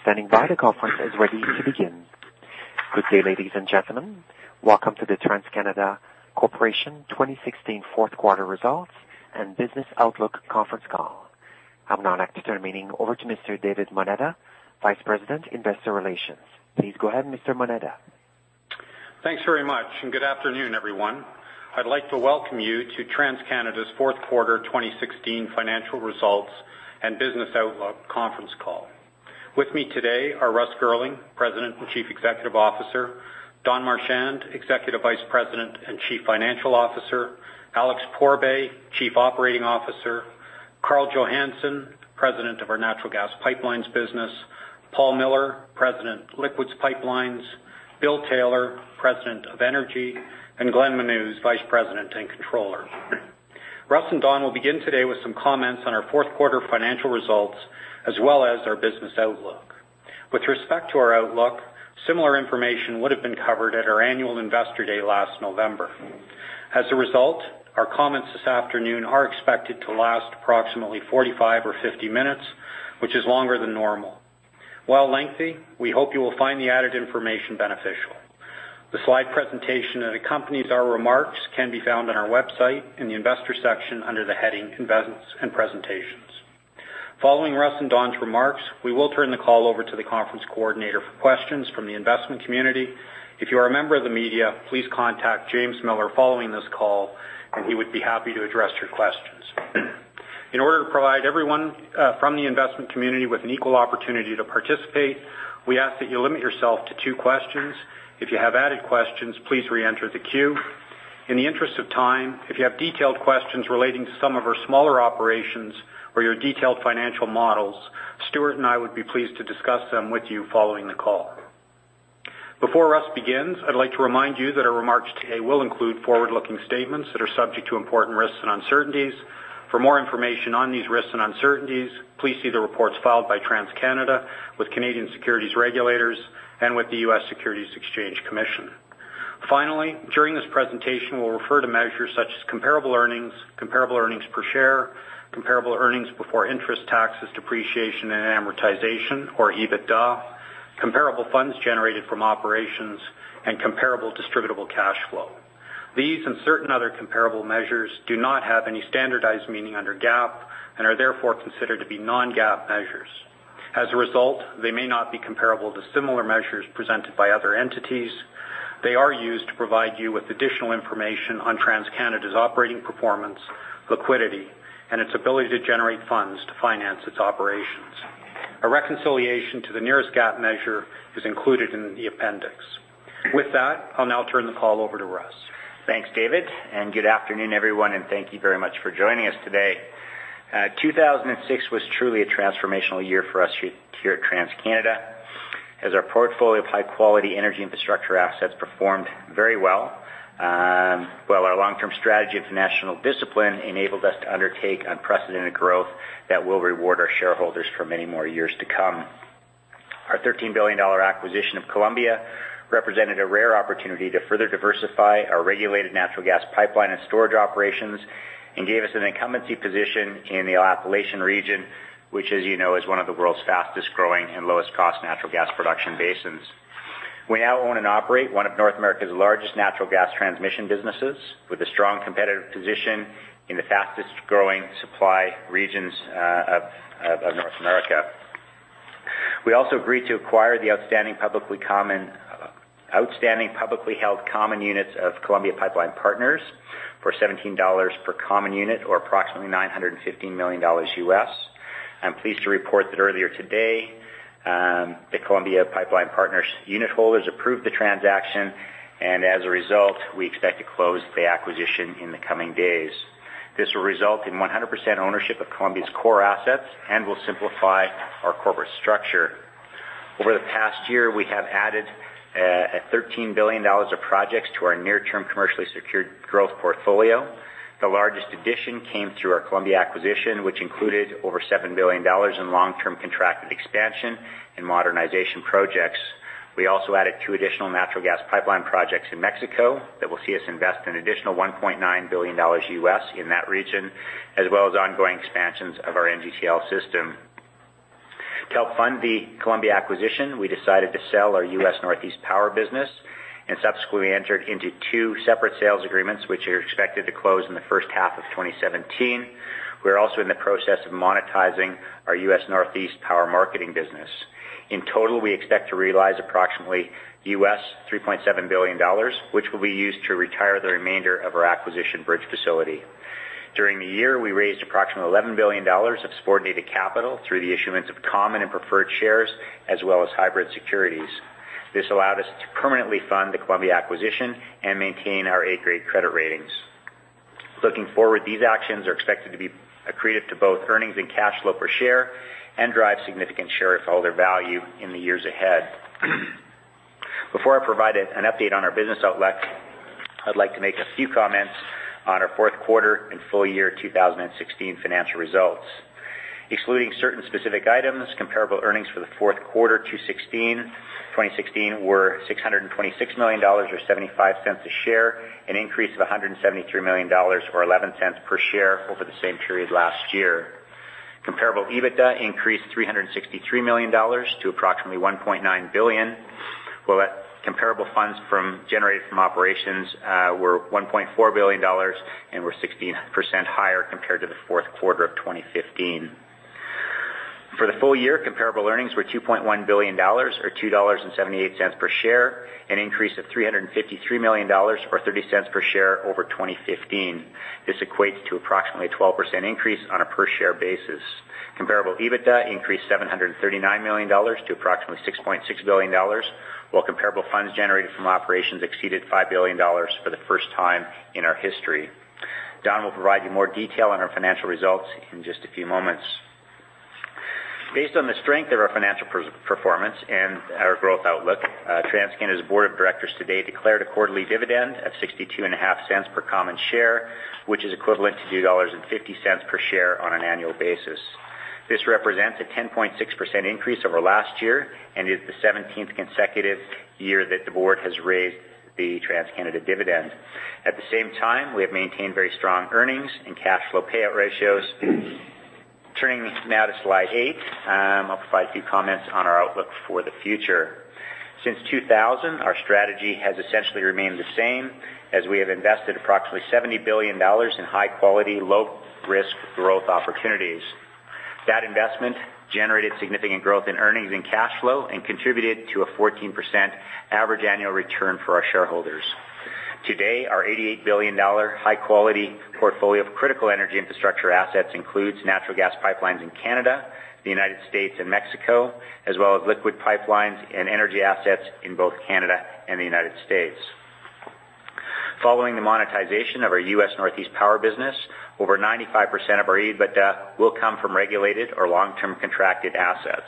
All participants, thank you for standing by. The conference is ready to begin. Good day, ladies and gentlemen. Welcome to the TransCanada Corporation 2016 fourth quarter results and business outlook conference call. I'll now hand the meeting over to Mr. David Moneta, Vice President, Investor Relations. Please go ahead, Mr. Moneta. Thanks very much. Good afternoon, everyone. I'd like to welcome you to TransCanada's fourth quarter 2016 financial results and business outlook conference call. With me today are Russ Girling, President and Chief Executive Officer, Don Marchand, Executive Vice President and Chief Financial Officer, Alex Pourbaix, Chief Operating Officer, Karl Johannson, President of our Natural Gas Pipelines business, Paul Miller, President, Liquids Pipelines, Bill Taylor, President of Energy, and Glenn Menuz, Vice President and Controller. Russ and Don will begin today with some comments on our fourth quarter financial results, as well as our business outlook. With respect to our outlook, similar information would've been covered at our annual Investor Day last November. As a result, our comments this afternoon are expected to last approximately 45 or 50 minutes, which is longer than normal. While lengthy, we hope you will find the added information beneficial. The slide presentation that accompanies our remarks can be found on our website in the Investors section under the heading Investments and Presentations. Following Russ and Don's remarks, we will turn the call over to the conference coordinator for questions from the investment community. If you are a member of the media, please contact James Millar following this call, and he would be happy to address your questions. In order to provide everyone from the investment community with an equal opportunity to participate, we ask that you limit yourself to two questions. If you have added questions, please re-enter the queue. In the interest of time, if you have detailed questions relating to some of our smaller operations or your detailed financial models, Stuart and I would be pleased to discuss them with you following the call. Before Russ begins, I'd like to remind you that our remarks today will include forward-looking statements that are subject to important risks and uncertainties. For more information on these risks and uncertainties, please see the reports filed by TransCanada with Canadian securities regulators and with the U.S. Securities and Exchange Commission. Finally, during this presentation, we'll refer to measures such as comparable earnings, comparable earnings per share, comparable earnings before interest, taxes, depreciation, and amortization, or EBITDA, comparable funds generated from operations, and comparable distributable cash flow. These and certain other comparable measures do not have any standardized meaning under GAAP and are therefore considered to be non-GAAP measures. As a result, they may not be comparable to similar measures presented by other entities. They are used to provide you with additional information on TransCanada's operating performance, liquidity, and its ability to generate funds to finance its operations. A reconciliation to the nearest GAAP measure is included in the appendix. With that, I'll now turn the call over to Russ. Thanks, David. Good afternoon, everyone, and thank you very much for joining us today. 2016 was truly a transformational year for us here at TransCanada, as our portfolio of high-quality energy infrastructure assets performed very well. While our long-term strategy of financial discipline enabled us to undertake unprecedented growth that will reward our shareholders for many more years to come. Our 13 billion dollar acquisition of Columbia represented a rare opportunity to further diversify our regulated natural gas pipeline and storage operations and gave us an incumbency position in the Appalachian region, which as you know, is one of the world's fastest-growing and lowest-cost natural gas production basins. We now own and operate one of North America's largest natural gas transmission businesses, with a strong competitive position in the fastest-growing supply regions of North America. We also agreed to acquire the outstanding publicly-held common units of Columbia Pipeline Partners for $17 per common unit or approximately $915 million US. I'm pleased to report that earlier today, the Columbia Pipeline Partners' unitholders approved the transaction. As a result, we expect to close the acquisition in the coming days. This will result in 100% ownership of Columbia's core assets and will simplify our corporate structure. Over the past year, we have added 13 billion dollars of projects to our near-term commercially secured growth portfolio. The largest addition came through our Columbia acquisition, which included over 7 billion dollars in long-term contracted expansion and modernization projects. We also added two additional natural gas pipeline projects in Mexico that will see us invest an additional $1.9 billion US in that region, as well as ongoing expansions of our NGTL system. To help fund the Columbia acquisition, we decided to sell our U.S. Northeast Power business. We subsequently entered into two separate sales agreements, which are expected to close in the first half of 2017. We're also in the process of monetizing our U.S. Northeast power marketing business. In total, we expect to realize approximately US $3.7 billion, which will be used to retire the remainder of our acquisition bridge facility. During the year, we raised approximately 11 billion dollars of subordinated capital through the issuance of common and preferred shares, as well as hybrid securities. This allowed us to permanently fund the Columbia acquisition and maintain our A-grade credit ratings. Looking forward, these actions are expected to be accretive to both earnings and cash flow per share and drive significant shareholder value in the years ahead. Before I provide an update on our business outlook, I'd like to make a few comments on our fourth quarter and full year 2016 financial results. Excluding certain specific items, comparable earnings for the fourth quarter 2016 were 626 million dollars or 0.75 per share, an increase of 173 million dollars or 0.11 per share over the same period last year. Comparable EBITDA increased 363 million dollars to approximately 1.9 billion, while comparable funds generated from operations were 1.4 billion dollars and were 16% higher compared to the fourth quarter of 2015. For the full year, comparable earnings were 2.1 billion dollars or 2.78 dollars per share, an increase of 353 million dollars or 0.30 per share over 2015. This equates to approximately a 12% increase on a per-share basis. Comparable EBITDA increased 739 million dollars to approximately 6.6 billion dollars, while comparable funds generated from operations exceeded 5 billion dollars for the first time in our history. Don will provide you more detail on our financial results in just a few moments. Based on the strength of our financial performance and our growth outlook, TransCanada's board of directors today declared a quarterly dividend of 0.625 per common share, which is equivalent to 2.50 dollars per share on an annual basis. This represents a 10.6% increase over last year and is the 17th consecutive year that the board has raised the TransCanada dividend. At the same time, we have maintained very strong earnings and cash flow payout ratios. Turning now to slide eight, I'll provide a few comments on our outlook for the future. Since 2000, our strategy has essentially remained the same as we have invested approximately 70 billion dollars in high-quality, low-risk growth opportunities. That investment generated significant growth in earnings and cash flow and contributed to a 14% average annual return for our shareholders. Today, our 88 billion dollar high-quality portfolio of critical energy infrastructure assets includes natural gas pipelines in Canada, the U.S., and Mexico, as well as liquid pipelines and energy assets in both Canada and the U.S. Following the monetization of our U.S. Northeast power business, over 95% of our EBITDA will come from regulated or long-term contracted assets.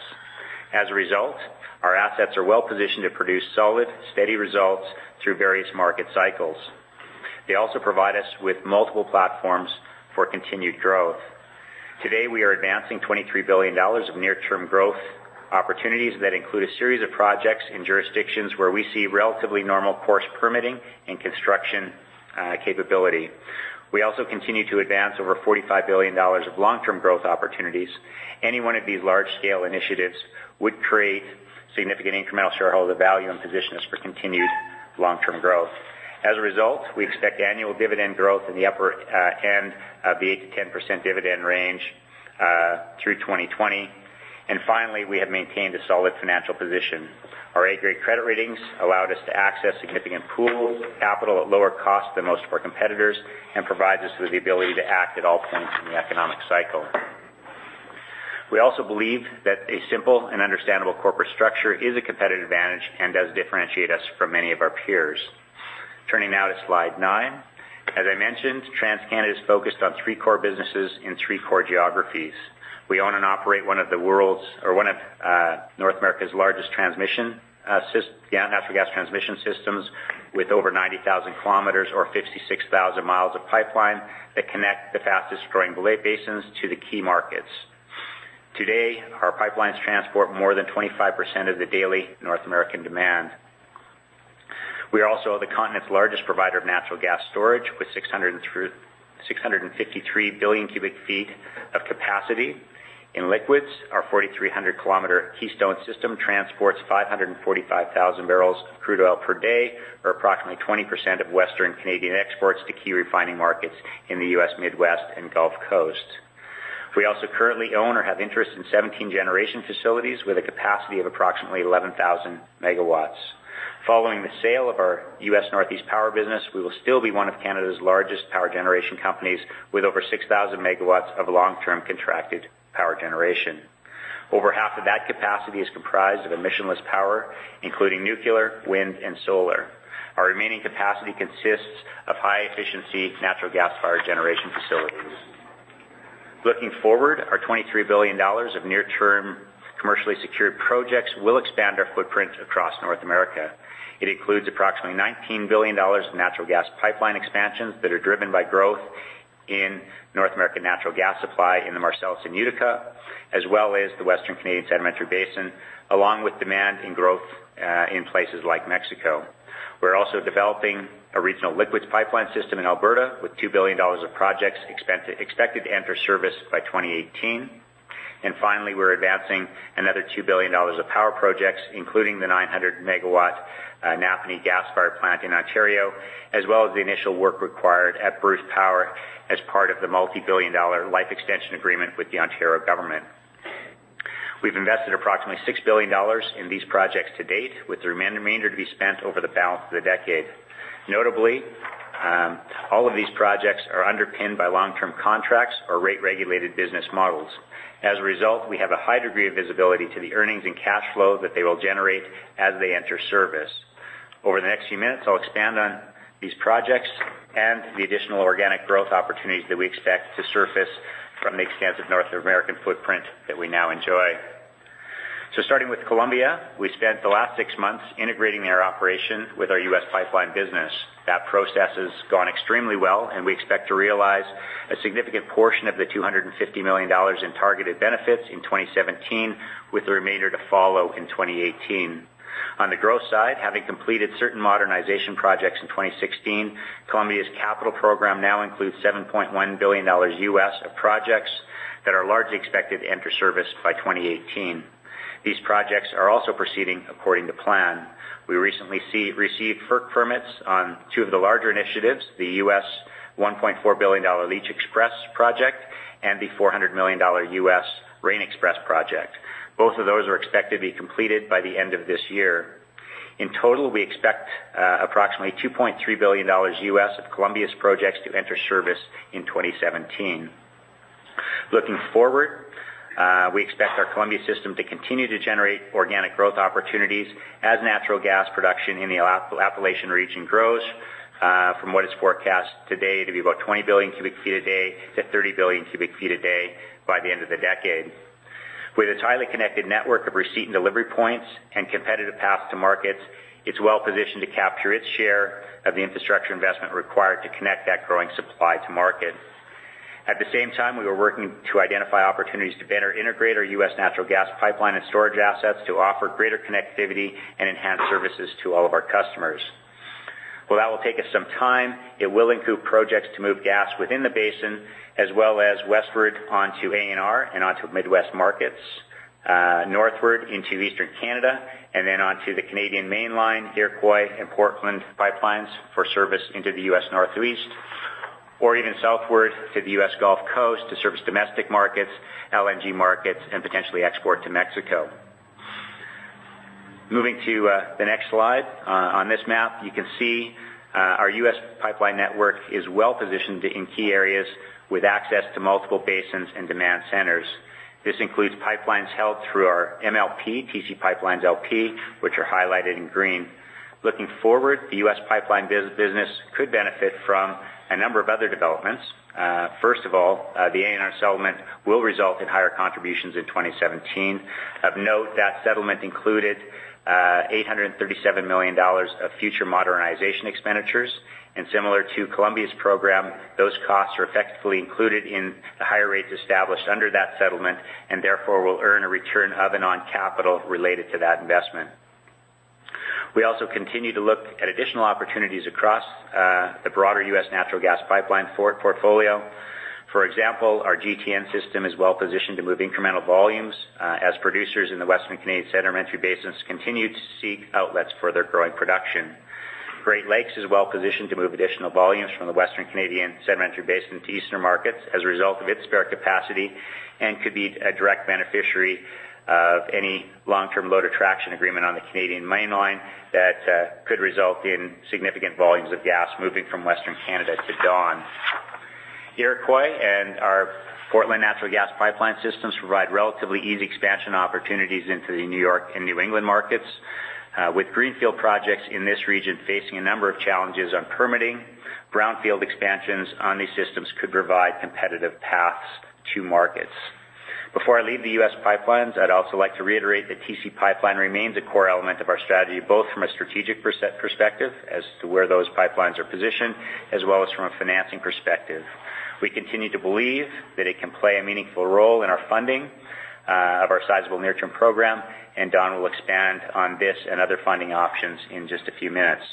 As a result, our assets are well-positioned to produce solid, steady results through various market cycles. They also provide us with multiple platforms for continued growth. Today, we are advancing 23 billion dollars of near-term growth opportunities that include a series of projects in jurisdictions where we see relatively normal course permitting and construction capability. We also continue to advance over 45 billion dollars of long-term growth opportunities. Any one of these large-scale initiatives would create significant incremental shareholder value and position us for continued long-term growth. As a result, we expect annual dividend growth in the upper end of the 8%-10% dividend range through 2020. Finally, we have maintained a solid financial position. Our A-grade credit ratings allowed us to access significant pools of capital at lower costs than most of our competitors and provide us with the ability to act at all points in the economic cycle. We also believe that a simple and understandable corporate structure is a competitive advantage and does differentiate us from many of our peers. Turning now to slide nine. As I mentioned, TransCanada is focused on three core businesses in three core geographies. We own and operate one of North America's largest natural gas transmission systems, with over 90,000 km or 56,000 mi of pipeline that connect the fastest-growing basins to the key markets. Today, our pipelines transport more than 25% of the daily North American demand. We are also the continent's largest provider of natural gas storage, with 653 billion cubic feet of capacity. In liquids, our 4,300-km Keystone system transports 545,000 barrels of crude oil per day or approximately 20% of Western Canadian exports to key refining markets in the U.S. Midwest and Gulf Coast. We also currently own or have interest in 17 generation facilities with a capacity of approximately 11,000 MW. Following the sale of our U.S. Northeast power business, we will still be one of Canada's largest power generation companies with over 6,000 MW of long-term contracted power generation. Over half of that capacity is comprised of emissionless power, including nuclear, wind, and solar. Our remaining capacity consists of high-efficiency natural gas-fired generation facilities. Looking forward, our 23 billion dollars of near-term commercially secured projects will expand our footprint across North America. It includes approximately 19 billion dollars in natural gas pipeline expansions that are driven by growth in North American natural gas supply in the Marcellus and Utica, as well as the Western Canadian Sedimentary Basin, along with demand and growth in places like Mexico. We're also developing a regional liquids pipeline system in Alberta with 2 billion dollars of projects expected to enter service by 2018. Finally, we're advancing another 2 billion dollars of power projects, including the 900-MW Napanee gas-fired plant in Ontario, as well as the initial work required at Bruce Power as part of the multi-billion-dollar life extension agreement with the Ontario government. We've invested approximately 6 billion dollars in these projects to date, with the remainder to be spent over the balance of the decade. Notably, all of these projects are underpinned by long-term contracts or rate-regulated business models. As a result, we have a high degree of visibility to the earnings and cash flow that they will generate as they enter service. Starting with Columbia, we spent the last six months integrating their operation with our U.S. pipeline business. That process has gone extremely well. We expect to realize a significant portion of the 250 million dollars in targeted benefits in 2017, with the remainder to follow in 2018. On the growth side, having completed certain modernization projects in 2016, Columbia's capital program now includes $7.1 billion U.S. of projects that are largely expected to enter service by 2018. These projects are also proceeding according to plan. We recently received FERC permits on two of the larger initiatives, the $1.4 billion U.S. Leach XPress project and the $400 million U.S. Rayne XPress project. Both of those are expected to be completed by the end of this year. In total, we expect approximately $2.3 billion U.S. of Columbia's projects to enter service in 2017. Looking forward, we expect our Columbia system to continue to generate organic growth opportunities as natural gas production in the Appalachian region grows from what is forecast today to be about 20 billion cubic feet a day to 30 billion cubic feet a day by the end of the decade. With its highly connected network of receipt and delivery points and competitive paths to markets, it's well-positioned to capture its share of the infrastructure investment required to connect that growing supply to market. At the same time, we are working to identify opportunities to better integrate our U.S. natural gas pipeline and storage assets to offer greater connectivity and enhance services to all of our customers. While that will take us some time, it will include projects to move gas within the basin as well as westward onto ANR and onto Midwest markets, northward into Eastern Canada, and then onto the Canadian Mainline, Iroquois, and Portland pipelines for service into the U.S. Northeast, or even southward to the U.S. Gulf Coast to service domestic markets, LNG markets, and potentially export to Mexico. Moving to the next slide. On this map, you can see our U.S. pipeline network is well-positioned in key areas with access to multiple basins and demand centers. This includes pipelines held through our MLP, TC PipeLines, LP, which are highlighted in green. Looking forward, the U.S. pipeline business could benefit from a number of other developments. First of all, the ANR settlement will result in higher contributions in 2017. Of note, that settlement included $837 million of future modernization expenditures, and similar to Columbia's program, those costs are effectively included in the higher rates established under that settlement, and therefore will earn a return of and on capital related to that investment. We also continue to look at additional opportunities across the broader U.S. natural gas pipeline portfolio. For example, our GTN system is well-positioned to move incremental volumes as producers in the Western Canadian Sedimentary Basins continue to seek outlets for their growing production. Great Lakes is well-positioned to move additional volumes from the Western Canadian Sedimentary Basin to Eastern markets as a result of its spare capacity and could be a direct beneficiary of any long-term load attraction agreement on the Canadian Mainline that could result in significant volumes of gas moving from Western Canada to Dawn. Iroquois and our Portland natural gas pipeline systems provide relatively easy expansion opportunities into the New York and New England markets. With greenfield projects in this region facing a number of challenges on permitting, brownfield expansions on these systems could provide competitive paths to markets. Before I leave the U.S. pipelines, I'd also like to reiterate that TC PipeLine remains a core element of our strategy, both from a strategic perspective as to where those pipelines are positioned, as well as from a financing perspective. We continue to believe that it can play a meaningful role in our funding of our sizable near-term program, and Don will expand on this and other funding options in just a few minutes.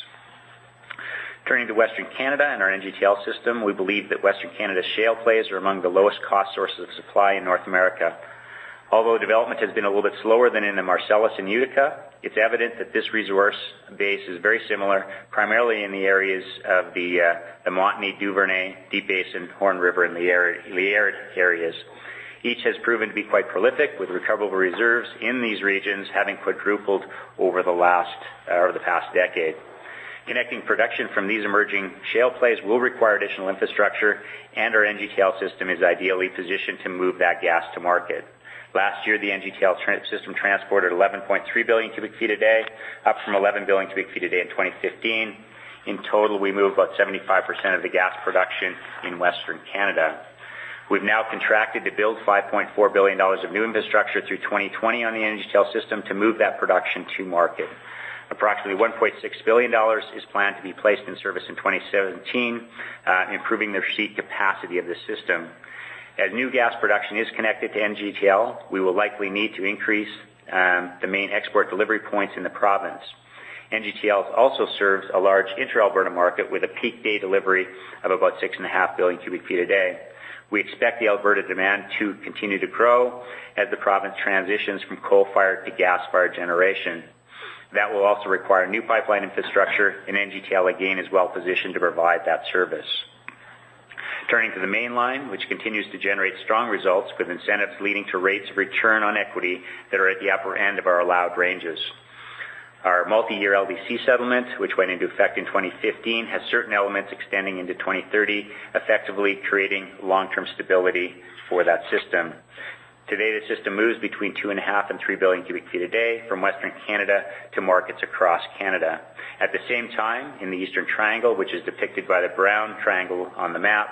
Turning to Western Canada and our NGTL System, we believe that Western Canada shale plays are among the lowest cost sources of supply in North America. Although development has been a little bit slower than in the Marcellus and Utica, it's evident that this resource base is very similar, primarily in the areas of the Montney, Duvernay, Deep Basin, Horn River, and Liard areas. Each has proven to be quite prolific, with recoverable reserves in these regions having quadrupled over the past decade. Connecting production from these emerging shale plays will require additional infrastructure, and our NGTL system is ideally positioned to move that gas to market. Last year, the NGTL system transported 11.3 billion cubic feet a day, up from 11 billion cubic feet a day in 2015. In total, we moved about 75% of the gas production in Western Canada. We've now contracted to build 5.4 billion dollars of new infrastructure through 2020 on the NGTL system to move that production to market. Approximately 1.6 billion dollars is planned to be placed in service in 2017, improving the receipt capacity of the system. As new gas production is connected to NGTL, we will likely need to increase the main export delivery points in the province. NGTL also serves a large intra-Alberta market with a peak day delivery of about 6.5 billion cubic feet a day. We expect the Alberta demand to continue to grow as the province transitions from coal-fired to gas-fired generation. That will also require new pipeline infrastructure, and NGTL again is well-positioned to provide that service. Turning to the Canadian Mainline, which continues to generate strong results with incentives leading to rates of return on equity that are at the upper end of our allowed ranges. Our multi-year LDC settlement, which went into effect in 2015, has certain elements extending into 2030, effectively creating long-term stability for that system. Today, the system moves between 2.5 billion and 3 billion cubic feet a day from Western Canada to markets across Canada. At the same time, in the Eastern triangle, which is depicted by the brown triangle on the map,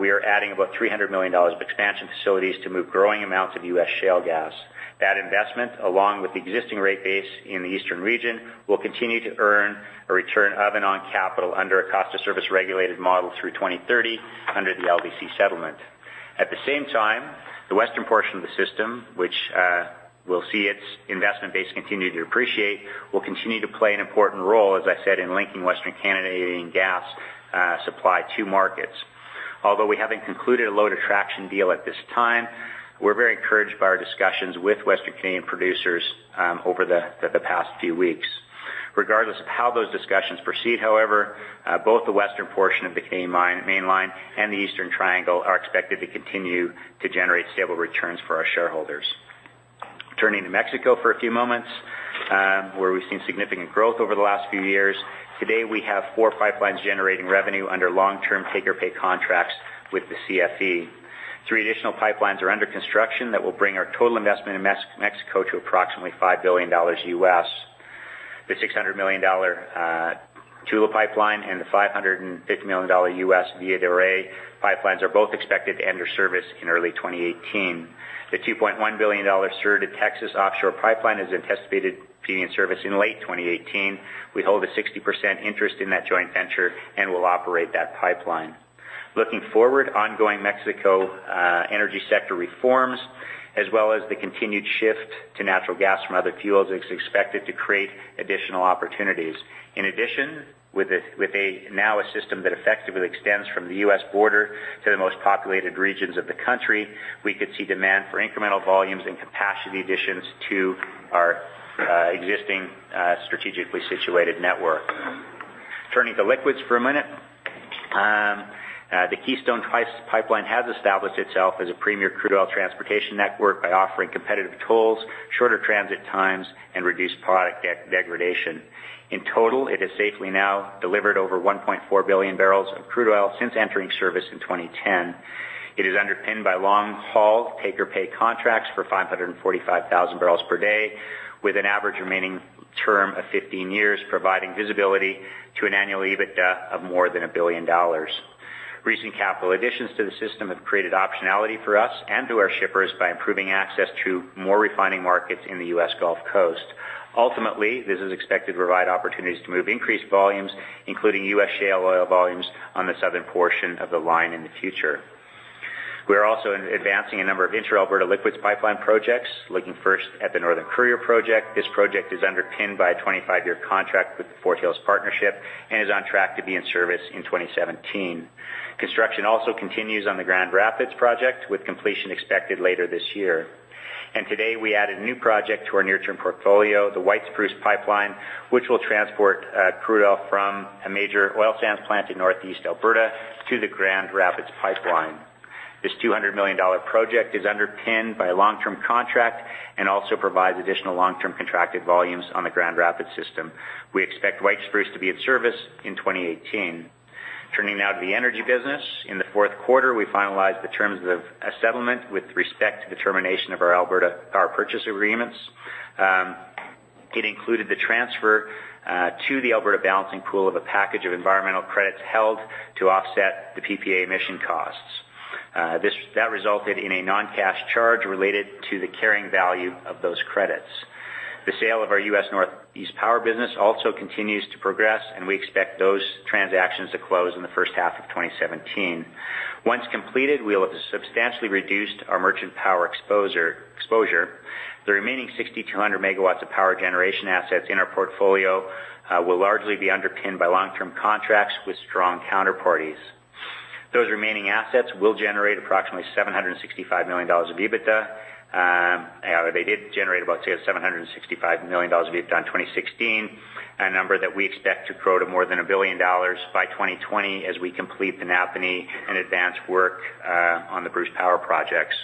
we are adding about 300 million dollars of expansion facilities to move growing amounts of U.S. shale gas. That investment, along with the existing rate base in the Eastern region, will continue to earn a return of and on capital under a cost of service-regulated model through 2030 under the LDC settlement. At the same time, the western portion of the system, which will see its investment base continue to appreciate, will continue to play an important role, as I said, in linking Western Canadian gas supply to markets. Although we haven't concluded a load attraction deal at this time, we're very encouraged by our discussions with Western Canadian producers over the past few weeks. Regardless of how those discussions proceed, however, both the western portion of the Canadian Mainline and the Eastern Triangle are expected to continue to generate stable returns for our shareholders. Turning to Mexico for a few moments, where we've seen significant growth over the last few years. Today, we have four pipelines generating revenue under long-term take-or-pay contracts with the CFE. Three additional pipelines are under construction that will bring our total investment in Mexico to approximately $5 billion U.S. The 600 million dollar Tula Pipeline and the $550 million U.S. Villa de Reyes Pipelines are both expected to enter service in early 2018. The 2.1 billion dollar Sur de Texas-Tuxpan Pipeline is anticipated to be in service in late 2018. We hold a 60% interest in that joint venture and will operate that pipeline. Looking forward, ongoing Mexico energy sector reforms, as well as the continued shift to natural gas from other fuels, is expected to create additional opportunities. In addition, with now a system that effectively extends from the U.S. border to the most populated regions of the country, we could see demand for incremental volumes and capacity additions to our existing strategically situated network. Turning to liquids for a minute. The Keystone Pipeline has established itself as a premier crude oil transportation network by offering competitive tolls, shorter transit times, and reduced product degradation. In total, it has safely now delivered over 1.4 billion barrels of crude oil since entering service in 2010. It is underpinned by long-haul take-or-pay contracts for 545,000 barrels per day, with an average remaining term of 15 years, providing visibility to an annual EBITDA of more than 1 billion dollars. Recent capital additions to the system have created optionality for us and to our shippers by improving access to more refining markets in the U.S. Gulf Coast. Ultimately, this is expected to provide opportunities to move increased volumes, including U.S. shale oil volumes, on the southern portion of the line in the future. We are also advancing a number of intra-Alberta liquids pipeline projects. Looking first at the Northern Courier Project, this project is underpinned by a 25-year contract with the Fort Hills Partnership and is on track to be in service in 2017. Construction also continues on the Grand Rapids Project, with completion expected later this year. Today, we added a new project to our near-term portfolio, the White Spruce Pipeline, which will transport crude oil from a major oil sands plant in Northeast Alberta to the Grand Rapids Pipeline. This 200 million dollar project is underpinned by a long-term contract and also provides additional long-term contracted volumes on the Grand Rapids system. We expect White Spruce to be of service in 2018. Turning now to the energy business. In the fourth quarter, we finalized the terms of a settlement with respect to the termination of our Alberta Power Purchase Agreements. It included the transfer to the Alberta Balancing Pool of a package of environmental credits held to offset the PPA emission costs. That resulted in a non-cash charge related to the carrying value of those credits. The sale of our U.S. Northeast power business also continues to progress, and we expect those transactions to close in the first half of 2017. Once completed, we'll have substantially reduced our merchant power exposure. The remaining 6,200 megawatts of power generation assets in our portfolio will largely be underpinned by long-term contracts with strong counterparties. Those remaining assets will generate approximately 765 million dollars of EBITDA. They did generate about 765 million dollars of EBITDA in 2016, a number that we expect to grow to more than 1 billion dollars by 2020 as we complete the Napanee and advance work on the Bruce Power projects.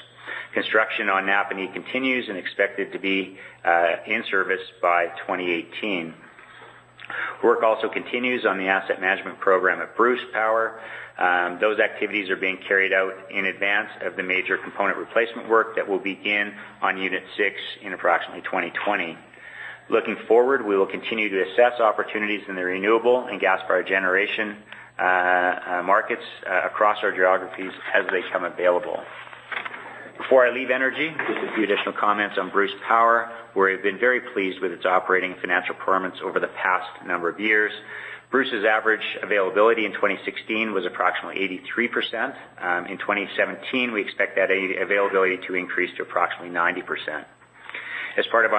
Construction on Napanee continues and expected to be in service by 2018. Work also continues on the asset management program at Bruce Power. Those activities are being carried out in advance of the major component replacement work that will begin on Unit 6 in approximately 2020. Looking forward, we will continue to assess opportunities in the renewable and gas-fired generation markets across our geographies as they become available. Before I leave energy, just a few additional comments on Bruce Power, where we have been very pleased with its operating financial performance over the past number of years. Bruce's average availability in 2016 was approximately 83%. In 2017, we expect that availability to increase to approximately 90%. As part of the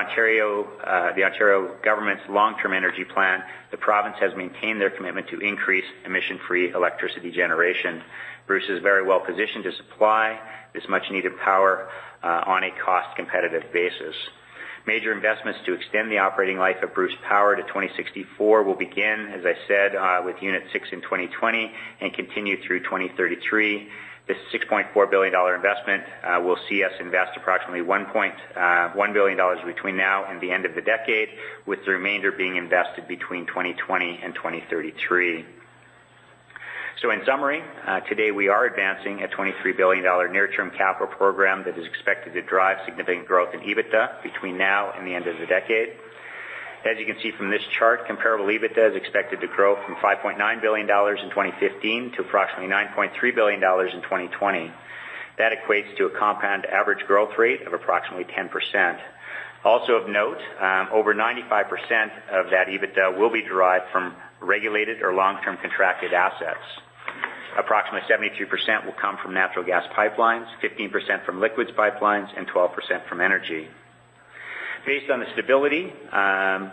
Ontario government's long-term energy plan, the province has maintained their commitment to increase emission-free electricity generation. Bruce is very well-positioned to supply this much-needed power on a cost-competitive basis. Major investments to extend the operating life of Bruce Power to 2064 will begin, as I said, with Unit 6 in 2020 and continue through 2033. This 6.4 billion dollar investment will see us invest approximately 1.1 billion dollars between now and the end of the decade, with the remainder being invested between 2020 and 2033. In summary, today we are advancing a 23 billion dollar near-term capital program that is expected to drive significant growth in EBITDA between now and the end of the decade. As you can see from this chart, comparable EBITDA is expected to grow from 5.9 billion dollars in 2015 to approximately 9.3 billion dollars in 2020. That equates to a compound average growth rate of approximately 10%. Also of note, over 95% of that EBITDA will be derived from regulated or long-term contracted assets. Approximately 72% will come from natural gas pipelines, 15% from liquids pipelines, and 12% from energy. Based on the stability of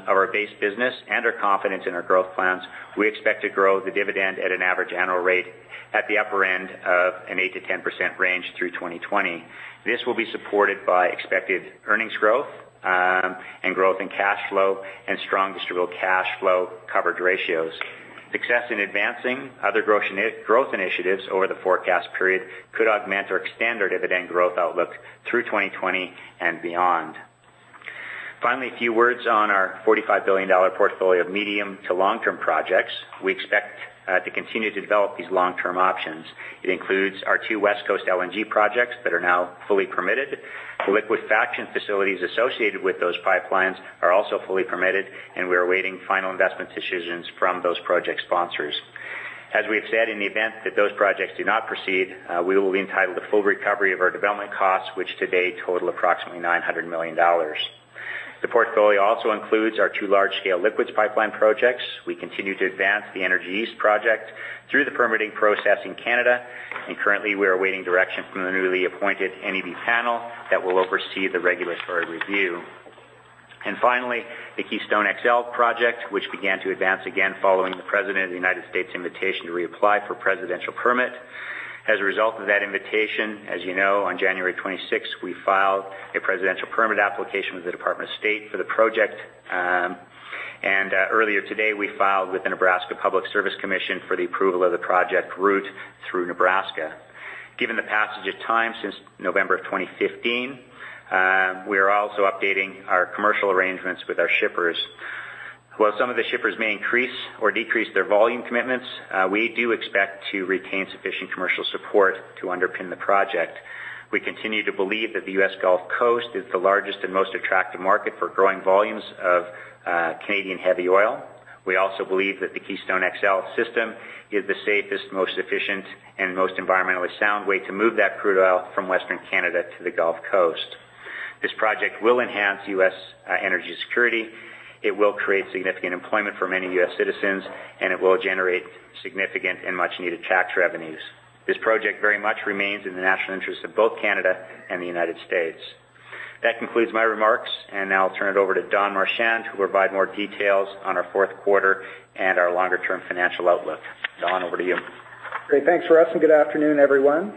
our base business and our confidence in our growth plans, we expect to grow the dividend at an average annual rate at the upper end of an 8%-10% range through 2020. This will be supported by expected earnings growth and growth in cash flow and strong distributable cash flow coverage ratios. Success in advancing other growth initiatives over the forecast period could augment or extend our dividend growth outlook through 2020 and beyond. Finally, a few words on our 45 billion dollar portfolio of medium to long-term projects. We expect to continue to develop these long-term options. It includes our two West Coast LNG projects that are now fully permitted. The liquefaction facilities associated with those pipelines are also fully permitted, and we are awaiting final investment decisions from those project sponsors. As we have said, in the event that those projects do not proceed, we will be entitled to full recovery of our development costs, which to date total approximately 900 million dollars. The portfolio also includes our two large-scale liquids pipeline projects. We continue to advance the Energy East project through the permitting process in Canada, and currently, we are awaiting direction from the newly appointed NEB panel that will oversee the regulatory review. Finally, the Keystone XL project, which began to advance again following the President of the U.S.'s invitation to reapply for presidential permit. As a result of that invitation, as you know, on January 26, we filed a presidential permit application with the Department of State for the project. Earlier today, we filed with the Nebraska Public Service Commission for the approval of the project route through Nebraska. Given the passage of time since November of 2015, we are also updating our commercial arrangements with our shippers. While some of the shippers may increase or decrease their volume commitments, we do expect to retain sufficient commercial support to underpin the project. We continue to believe that the U.S. Gulf Coast is the largest and most attractive market for growing volumes of Canadian heavy oil. We also believe that the Keystone XL system is the safest, most efficient, and most environmentally sound way to move that crude oil from Western Canada to the Gulf Coast. This project will enhance U.S. energy security, it will create significant employment for many U.S. citizens, and it will generate significant and much-needed tax revenues. This project very much remains in the national interest of both Canada and the United States. That concludes my remarks, and now I'll turn it over to Don Marchand, who will provide more details on our fourth quarter and our longer-term financial outlook. Don, over to you. Great. Thanks, Russ, good afternoon, everyone.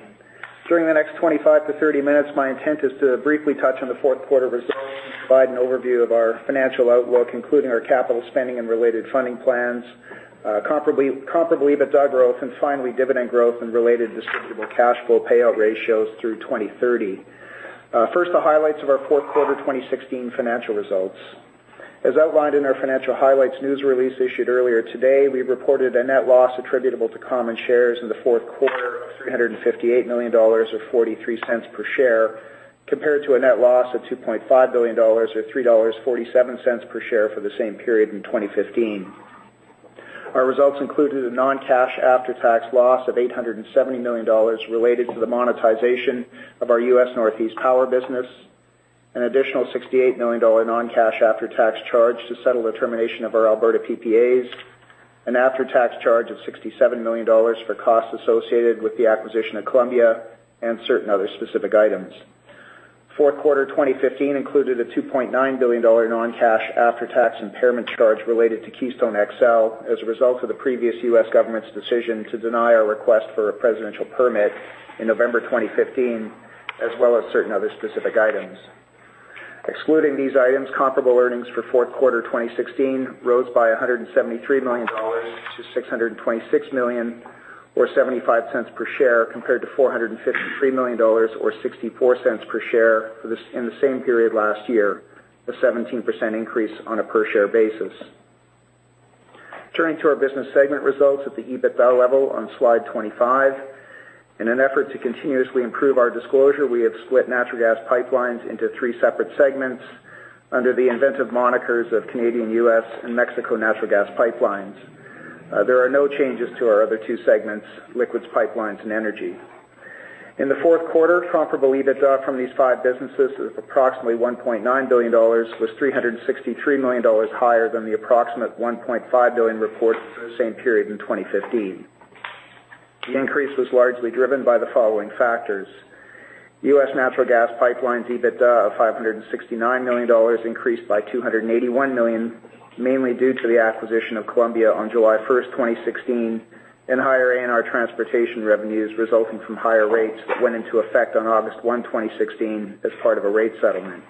During the next 25 to 30 minutes, my intent is to briefly touch on the fourth quarter results and provide an overview of our financial outlook, including our capital spending and related funding plans, comparable EBITDA growth, and finally, dividend growth and related distributable cash flow payout ratios through 2030. First, the highlights of our Q4 2016 financial results. As outlined in our financial highlights news release issued earlier today, we reported a net loss attributable to common shares in the fourth quarter of 358 million dollars, or 0.43 per share, compared to a net loss of 2.5 billion dollars or 3.47 dollars per share for the same period in 2015. Our results included a non-cash after-tax loss of 870 million dollars related to the monetization of our U.S. Northeast power business, an additional 68 million dollar non-cash after-tax charge to settle the termination of our Alberta PPAs, an after-tax charge of 67 million dollars for costs associated with the acquisition of Columbia, and certain other specific items. Q4 2015 included a 2.9 billion dollar non-cash after-tax impairment charge related to Keystone XL as a result of the previous U.S. government's decision to deny our request for a presidential permit in November 2015, as well as certain other specific items. Excluding these items, comparable earnings for Q4 2016 rose by 173 million dollars to 626 million, or 0.75 per share, compared to 453 million dollars or 0.64 per share in the same period last year, a 17% increase on a per-share basis. Turning to our business segment results at the EBITDA level on slide 25. In an effort to continuously improve our disclosure, we have split natural gas pipelines into three separate segments under the inventive monikers of Canadian, U.S., and Mexico natural gas pipelines. There are no changes to our other two segments, liquids pipelines and energy. In the fourth quarter, comparable EBITDA from these five businesses is approximately 1.9 billion dollars, was 363 million dollars higher than the approximate 1.5 billion reported for the same period in 2015. The increase was largely driven by the following factors. U.S. natural gas pipelines EBITDA of 569 million dollars increased by 281 million, mainly due to the acquisition of Columbia on July 1, 2016, and higher ANR transportation revenues resulting from higher rates that went into effect on August 1, 2016, as part of a rate settlement.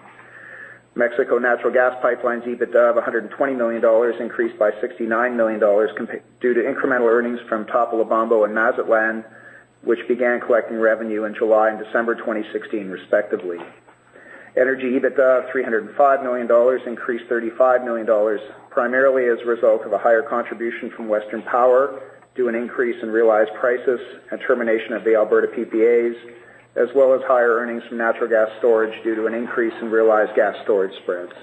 Mexico natural gas pipelines EBITDA of 120 million dollars increased by 69 million dollars due to incremental earnings from Topolobampo and Mazatlán, which began collecting revenue in July and December 2016, respectively. Energy EBITDA of 305 million dollars increased 35 million dollars, primarily as a result of a higher contribution from Western Power due an increase in realized prices and termination of the Alberta PPAs, as well as higher earnings from natural gas storage due to an increase in realized gas storage spreads.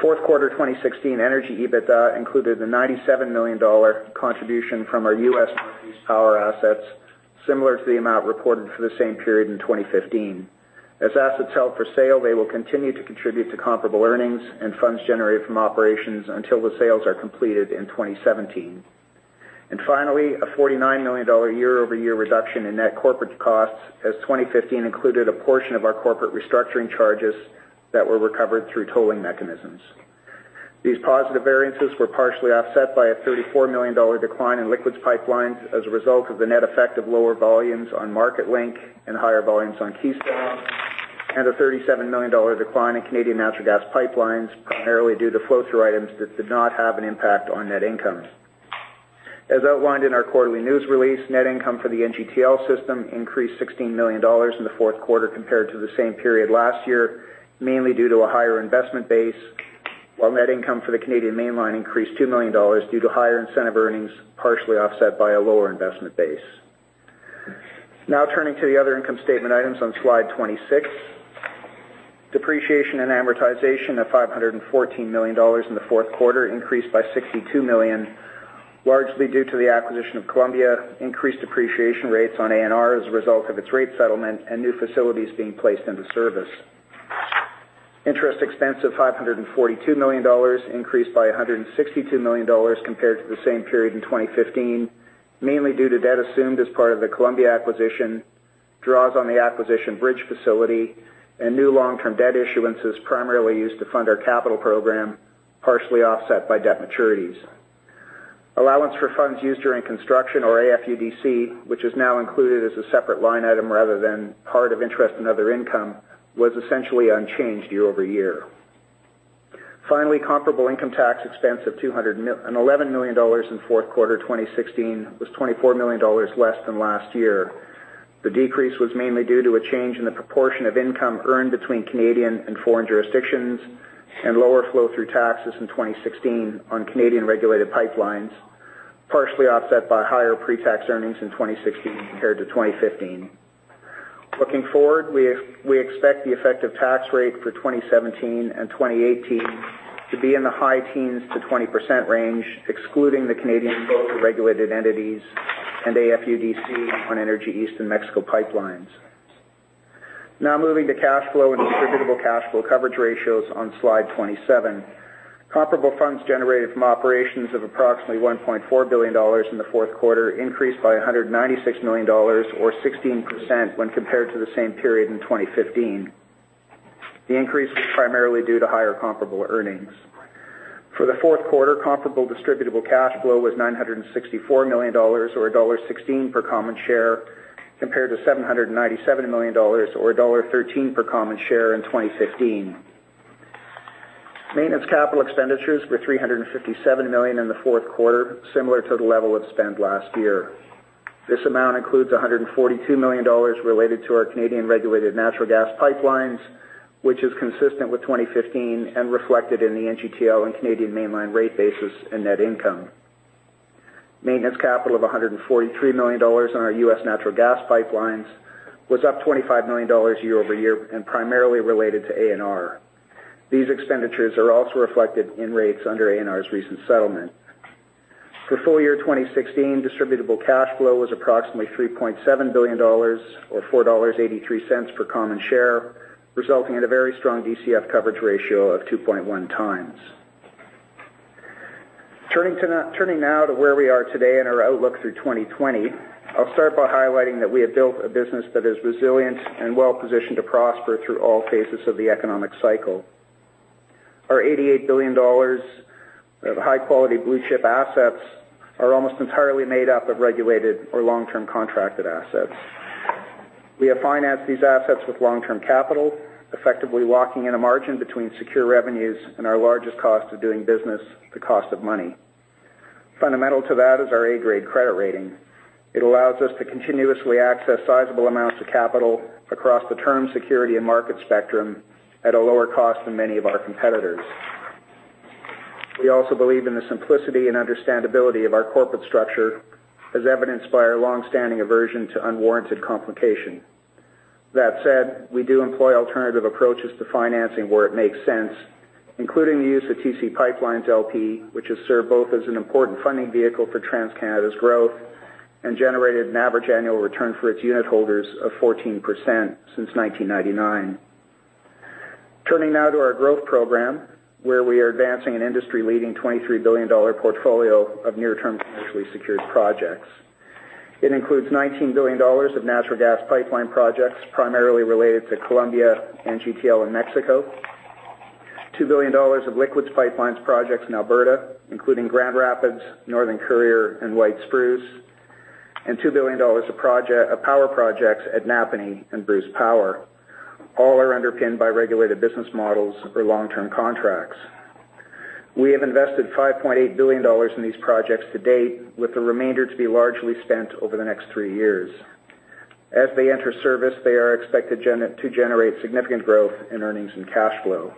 Fourth quarter 2016 energy EBITDA included a 97 million dollar contribution from our U.S. Northeast power assets, similar to the amount reported for the same period in 2015. As assets held for sale, they will continue to contribute to comparable earnings and funds generated from operations until the sales are completed in 2017. Finally, a 49 million dollar year-over-year reduction in net corporate costs as 2015 included a portion of our corporate restructuring charges that were recovered through tolling mechanisms. These positive variances were partially offset by a 34 million dollar decline in liquids pipelines as a result of the net effect of lower volumes on MarketLink and higher volumes on Keystone, and a 37 million dollar decline in Canadian natural gas pipelines, primarily due to flow-through items that did not have an impact on net income. As outlined in our quarterly news release, net income for the NGTL System increased 16 million dollars in the fourth quarter compared to the same period last year, mainly due to a higher investment base, while net income for the Canadian Mainline increased 2 million dollars due to higher incentive earnings, partially offset by a lower investment base. Turning to the other income statement items on slide 26. Depreciation and amortization of 514 million dollars in the fourth quarter increased by 62 million, largely due to the acquisition of Columbia, increased depreciation rates on ANR as a result of its rate settlement, and new facilities being placed into service. Interest expense of 542 million dollars increased by 162 million dollars compared to the same period in 2015, mainly due to debt assumed as part of the Columbia acquisition, draws on the acquisition bridge facility, and new long-term debt issuances primarily used to fund our capital program, partially offset by debt maturities. Allowance for funds used during construction or AFUDC, which is now included as a separate line item rather than part of interest and other income, was essentially unchanged year-over-year. Finally, comparable income tax expense of 11 million dollars in fourth quarter 2016 was 24 million dollars less than last year. The decrease was mainly due to a change in the proportion of income earned between Canadian and foreign jurisdictions and lower flow through taxes in 2016 on Canadian-regulated pipelines, partially offset by higher pre-tax earnings in 2016 compared to 2015. Looking forward, we expect the effective tax rate for 2017 and 2018 to be in the high teens to 20% range, excluding the Canadian regulated entities and AFUDC on Energy East and Mexico pipelines. Moving to cash flow and distributable cash flow coverage ratios on Slide 27. Comparable funds generated from operations of approximately 1.4 billion dollars in the fourth quarter increased by 196 million dollars or 16% when compared to the same period in 2015. The increase was primarily due to higher comparable earnings. For the fourth quarter, comparable distributable cash flow was 964 million dollars, or dollar 1.16 per common share, compared to 797 million dollars or dollar 1.13 per common share in 2015. Maintenance capital expenditures were 357 million in the fourth quarter, similar to the level of spend last year. This amount includes 142 million dollars related to our Canadian-regulated natural gas pipelines, which is consistent with 2015 and reflected in the NGTL and Canadian Mainline rate bases and net income. Maintenance capital of 143 million dollars on our U.S. natural gas pipelines was up 25 million dollars year-over-year and primarily related to ANR. These expenditures are also reflected in rates under ANR's recent settlement. For full-year 2016, distributable cash flow was approximately 3.7 billion dollars, or 4.83 dollars per common share, resulting in a very strong DCF coverage ratio of 2.1 times. Turning now to where we are today and our outlook through 2020, I'll start by highlighting that we have built a business that is resilient and well-positioned to prosper through all phases of the economic cycle. Our 88 billion dollars of high-quality blue-chip assets are almost entirely made up of regulated or long-term contracted assets. We have financed these assets with long-term capital, effectively locking in a margin between secure revenues and our largest cost of doing business, the cost of money. Fundamental to that is our A-grade credit rating. It allows us to continuously access sizable amounts of capital across the term security and market spectrum at a lower cost than many of our competitors. We also believe in the simplicity and understandability of our corporate structure, as evidenced by our longstanding aversion to unwarranted complication. That said, we do employ alternative approaches to financing where it makes sense, including the use of TC PipeLines, LP, which has served both as an important funding vehicle for TransCanada's growth and generated an average annual return for its unitholders of 14% since 1999. Turning now to our growth program, where we are advancing an industry-leading 23 billion dollar portfolio of near-term commercially secured projects. It includes 19 billion dollars of natural gas pipeline projects, primarily related to Columbia, NGTL, and Mexico, 2 billion dollars of liquids pipelines projects in Alberta, including Grand Rapids, Northern Courier, and White Spruce, and 2 billion dollars of power projects at Napanee and Bruce Power. All are underpinned by regulated business models or long-term contracts. We have invested 5.8 billion dollars in these projects to date, with the remainder to be largely spent over the next three years. As they enter service, they are expected to generate significant growth in earnings and cash flow.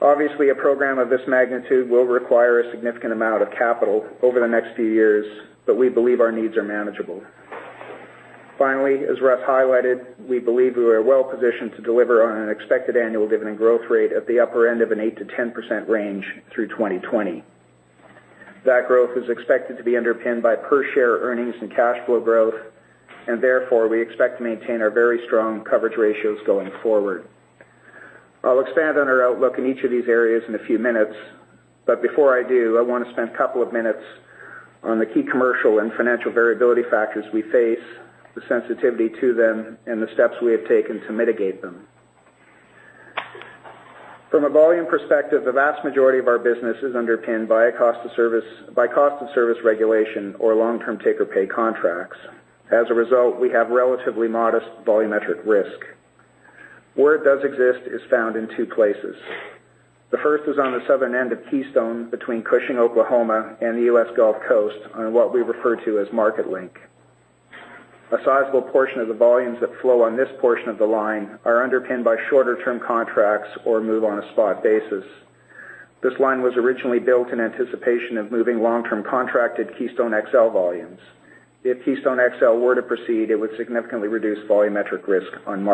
Obviously, a program of this magnitude will require a significant amount of capital over the next few years, but we believe our needs are manageable. Finally, as Russ highlighted, we believe we are well-positioned to deliver on an expected annual dividend growth rate at the upper end of an 8%-10% range through 2020. That growth is expected to be underpinned by per-share earnings and cash flow growth, and therefore, we expect to maintain our very strong coverage ratios going forward. I will expand on our outlook in each of these areas in a few minutes, but before I do, I want to spend a couple of minutes on the key commercial and financial variability factors we face, the sensitivity to them, and the steps we have taken to mitigate them. From a volume perspective, the vast majority of our business is underpinned by cost of service regulation or long-term take-or-pay contracts. As a result, we have relatively modest volumetric risk. Where it does exist is found in 2 places. The first is on the southern end of Keystone between Cushing, Oklahoma, and the U.S. Gulf Coast on what we refer to as MarketLink. A sizable portion of the volumes that flow on this portion of the line are underpinned by shorter-term contracts or move on a spot basis. This line was originally built in anticipation of moving long-term contracted Keystone XL volumes. If Keystone XL were to proceed, it would significantly reduce volumetric risk on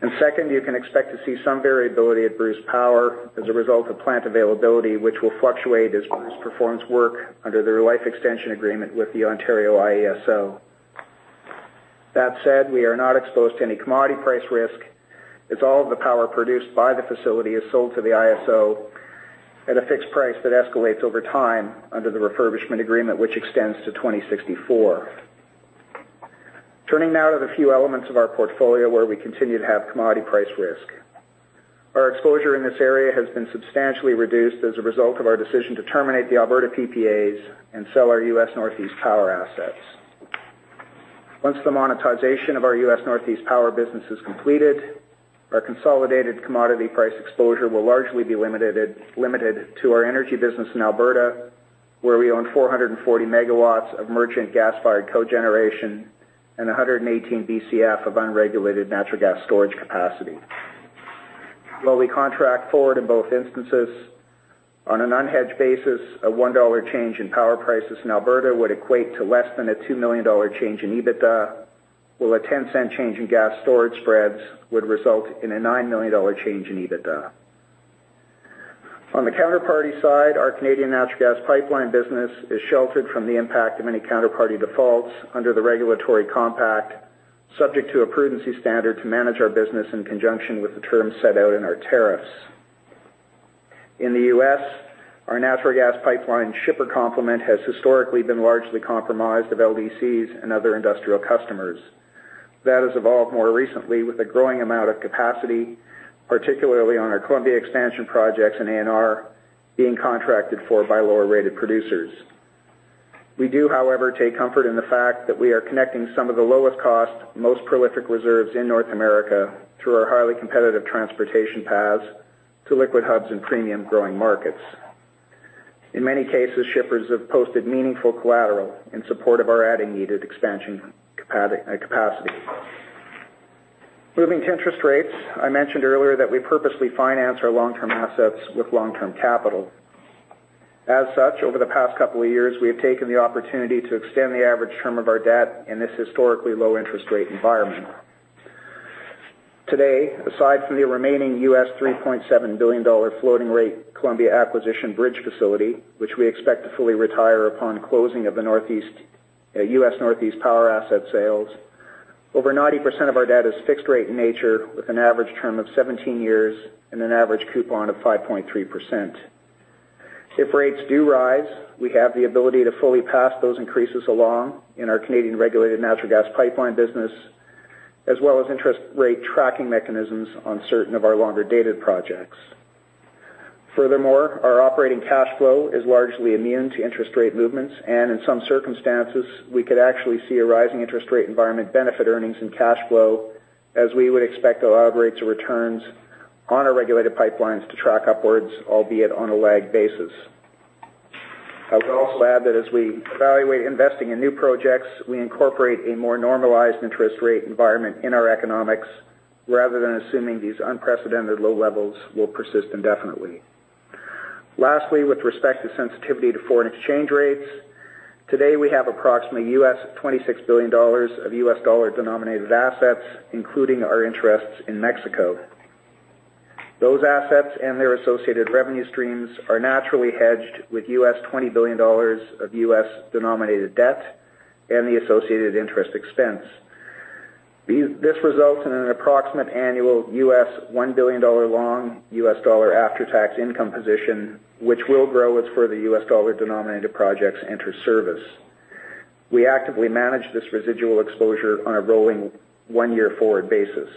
MarketLink. Second, you can expect to see some variability at Bruce Power as a result of plant availability, which will fluctuate as Bruce performs work under their life extension agreement with the Ontario IESO. That said, we are not exposed to any commodity price risk, as all of the power produced by the facility is sold to the IESO at a fixed price that escalates over time under the refurbishment agreement, which extends to 2064. Turning now to the few elements of our portfolio where we continue to have commodity price risk. Our exposure in this area has been substantially reduced as a result of our decision to terminate the Alberta PPAs and sell our U.S. Northeast power assets. Once the monetization of our U.S. Northeast power business is completed, our consolidated commodity price exposure will largely be limited to our energy business in Alberta, where we own 440 MW of merchant gas-fired cogeneration and 118 Bcf of unregulated natural gas storage capacity. While we contract forward in both instances, on an unhedged basis, a CAD 1 change in power prices in Alberta would equate to less than a CAD 2 million change in EBITDA, while a 0.10 change in gas storage spreads would result in a CAD 9 million change in EBITDA. On the counterparty side, our Canadian natural gas pipeline business is sheltered from the impact of any counterparty defaults under the regulatory compact, subject to a prudency standard to manage our business in conjunction with the terms set out in our tariffs. In the U.S., our natural gas pipeline shipper complement has historically been largely compromised of LDCs and other industrial customers. That has evolved more recently with a growing amount of capacity, particularly on our Columbia expansion projects and ANR being contracted for by lower-rated producers. We do, however, take comfort in the fact that we are connecting some of the lowest cost, most prolific reserves in North America through our highly competitive transportation paths to liquid hubs and premium growing markets. In many cases, shippers have posted meaningful collateral in support of our adding needed expansion capacity. Moving to interest rates, I mentioned earlier that we purposely finance our long-term assets with long-term capital. As such, over the past couple of years, we have taken the opportunity to extend the average term of our debt in this historically low interest rate environment. Today, aside from the remaining $3.7 billion floating rate Columbia acquisition bridge facility, which we expect to fully retire upon closing of the U.S. Northeast power asset sales, over 90% of our debt is fixed rate in nature, with an average term of 17 years and an average coupon of 5.3%. If rates do rise, we have the ability to fully pass those increases along in our Canadian regulated natural gas pipeline business, as well as interest rate tracking mechanisms on certain of our longer-dated projects. Furthermore, our operating cash flow is largely immune to interest rate movements, and in some circumstances, we could actually see a rising interest rate environment benefit earnings and cash flow, as we would expect allowed rates of returns on our regulated pipelines to track upwards, albeit on a lagged basis. I would also add that as we evaluate investing in new projects, we incorporate a more normalized interest rate environment in our economics rather than assuming these unprecedented low levels will persist indefinitely. Lastly, with respect to sensitivity to foreign exchange rates, today, we have approximately $26 billion of U.S. dollar-denominated assets, including our interests in Mexico. Those assets and their associated revenue streams are naturally hedged with $20 billion of U.S.-denominated debt and the associated interest expense. This results in an approximate annual $1 billion long U.S. dollar after-tax income position, which will grow as further U.S. dollar-denominated projects enter service. We actively manage this residual exposure on a rolling one-year forward basis.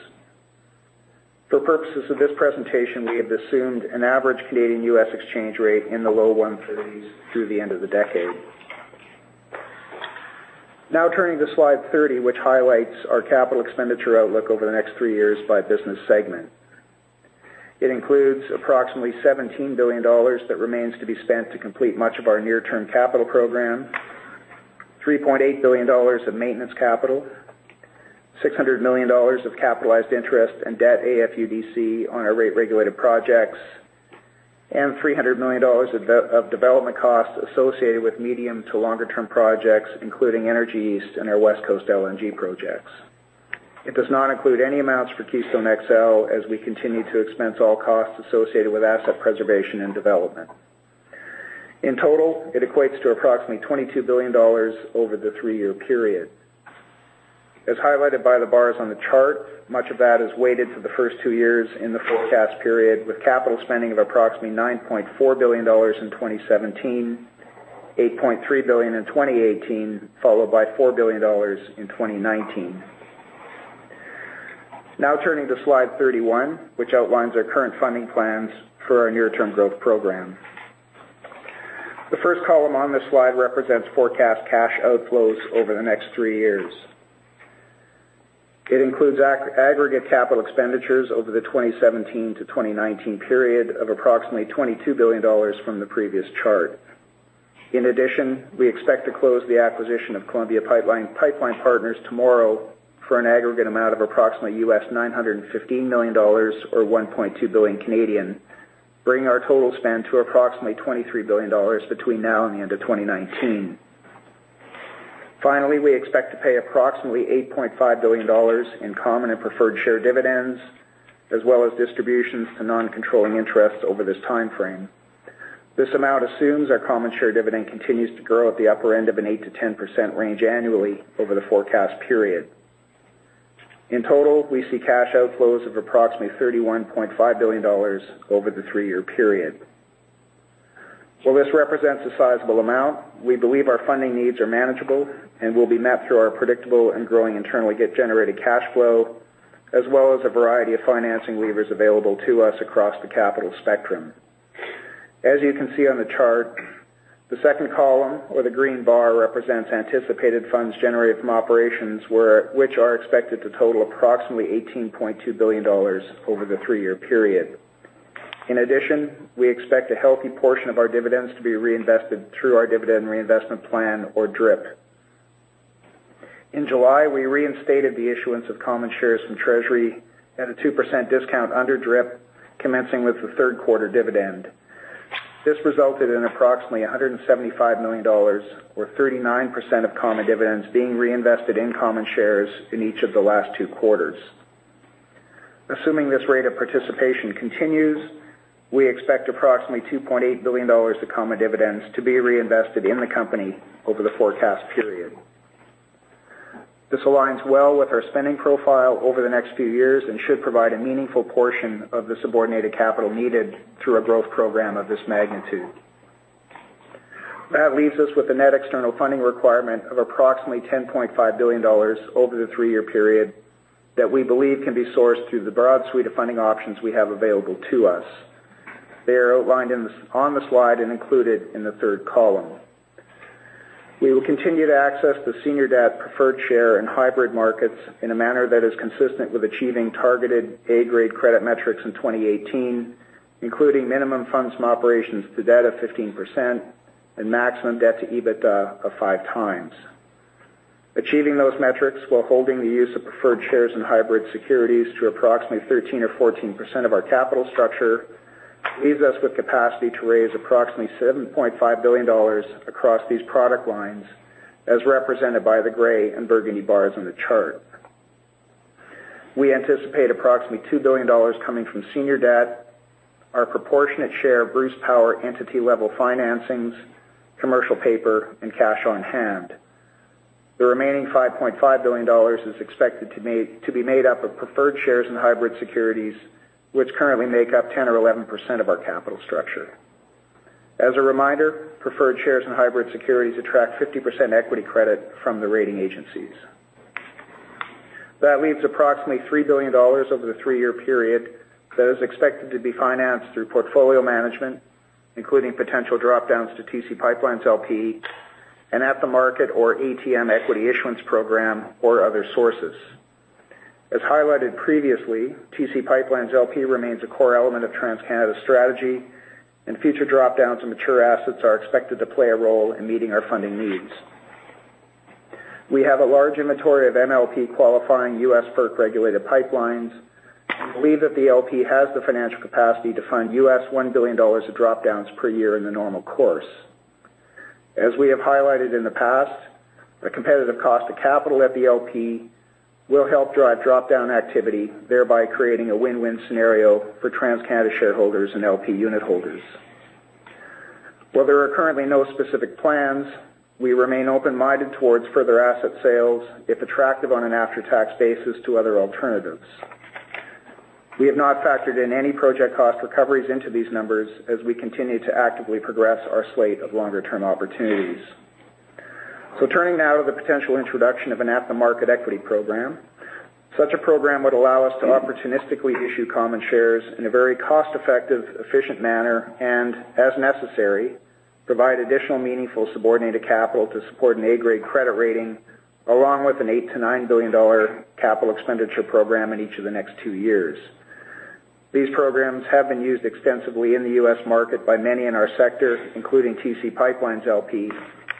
For purposes of this presentation, we have assumed an average Canadian-U.S. exchange rate in the low 130s through the end of the decade. Turning to slide 30, which highlights our capital expenditure outlook over the next three years by business segment. It includes approximately 17 billion dollars that remains to be spent to complete much of our near-term capital program, 3.8 billion dollars of maintenance capital, 600 million dollars of capitalized interest and debt AFUDC on our rate regulated projects. 300 million dollars of development costs associated with medium to longer-term projects, including Energy East and our West Coast LNG projects. It does not include any amounts for Keystone XL as we continue to expense all costs associated with asset preservation and development. In total, it equates to approximately 22 billion dollars over the three-year period. As highlighted by the bars on the chart, much of that is weighted for the first two years in the forecast period, with capital spending of approximately 9.4 billion dollars in 2017, 8.3 billion in 2018, followed by 4 billion dollars in 2019. Turning to slide 31, which outlines our current funding plans for our near-term growth program. The first column on this slide represents forecast cash outflows over the next 3 years. It includes aggregate capital expenditures over the 2017 to 2019 period of approximately 22 billion dollars from the previous chart. In addition, we expect to close the acquisition of Columbia Pipeline Partners tomorrow for an aggregate amount of approximately $915 million or 1.2 billion Canadian dollars, bringing our total spend to approximately 23 billion dollars between now and the end of 2019. Finally, we expect to pay approximately 8.5 billion dollars in common and preferred share dividends, as well as distributions to non-controlling interests over this timeframe. This amount assumes our common share dividend continues to grow at the upper end of an 8%-10% range annually over the forecast period. In total, we see cash outflows of approximately 31.5 billion dollars over the 3-year period. While this represents a sizable amount, we believe our funding needs are manageable and will be met through our predictable and growing internally generated cash flow, as well as a variety of financing levers available to us across the capital spectrum. As you can see on the chart, the second column, or the green bar, represents anticipated funds generated from operations, which are expected to total approximately 18.2 billion dollars over the 3-year period. In addition, we expect a healthy portion of our dividends to be reinvested through our dividend reinvestment plan or DRIP. In July, we reinstated the issuance of common shares from treasury at a 2% discount under DRIP, commencing with the third-quarter dividend. This resulted in approximately 175 million dollars or 39% of common dividends being reinvested in common shares in each of the last 2 quarters. Assuming this rate of participation continues, we expect approximately 2.8 billion dollars of common dividends to be reinvested in the company over the forecast period. This aligns well with our spending profile over the next few years and should provide a meaningful portion of the subordinated capital needed through a growth program of this magnitude. That leaves us with a net external funding requirement of approximately 10.5 billion dollars over the 3-year period that we believe can be sourced through the broad suite of funding options we have available to us. They are outlined on the slide and included in the third column. We will continue to access the senior debt preferred share and hybrid markets in a manner that is consistent with achieving targeted A-grade credit metrics in 2018, including minimum funds from operations to debt of 15% and maximum debt to EBITDA of 5 times. Achieving those metrics while holding the use of preferred shares and hybrid securities to approximately 13% or 14% of our capital structure leaves us with capacity to raise approximately 7.5 billion dollars across these product lines, as represented by the gray and burgundy bars on the chart. We anticipate approximately 2 billion dollars coming from senior debt, our proportionate share of Bruce Power entity-level financings, commercial paper, and cash on hand. The remaining 5.5 billion dollars is expected to be made up of preferred shares and hybrid securities, which currently make up 10% or 11% of our capital structure. As a reminder, preferred shares and hybrid securities attract 50% equity credit from the rating agencies. That leaves approximately 3 billion dollars over the 3-year period that is expected to be financed through portfolio management, including potential drop-downs to TC PipeLines, LP and at-the-market or ATM equity issuance program or other sources. As highlighted previously, TC PipeLines, LP remains a core element of TransCanada's strategy, and future drop-downs and mature assets are expected to play a role in meeting our funding needs. We have a large inventory of MLP-qualifying U.S. FERC-regulated pipelines and believe that the LP has the financial capacity to fund US$1 billion of drop-downs per year in the normal course. As we have highlighted in the past, a competitive cost of capital at the LP will help drive drop-down activity, thereby creating a win-win scenario for TransCanada shareholders and LP unit holders. While there are currently no specific plans, we remain open-minded towards further asset sales if attractive on an after-tax basis to other alternatives. We have not factored in any project cost recoveries into these numbers as we continue to actively progress our slate of longer-term opportunities. Turning now to the potential introduction of an at-the-market equity program. Such a program would allow us to opportunistically issue common shares in a very cost-effective, efficient manner and, as necessary, provide additional meaningful subordinated capital to support an A-grade credit rating, along with a 8 billion to 9 billion dollar capital expenditure program in each of the next two years. These programs have been used extensively in the U.S. market by many in our sector, including TC PipeLines, LP,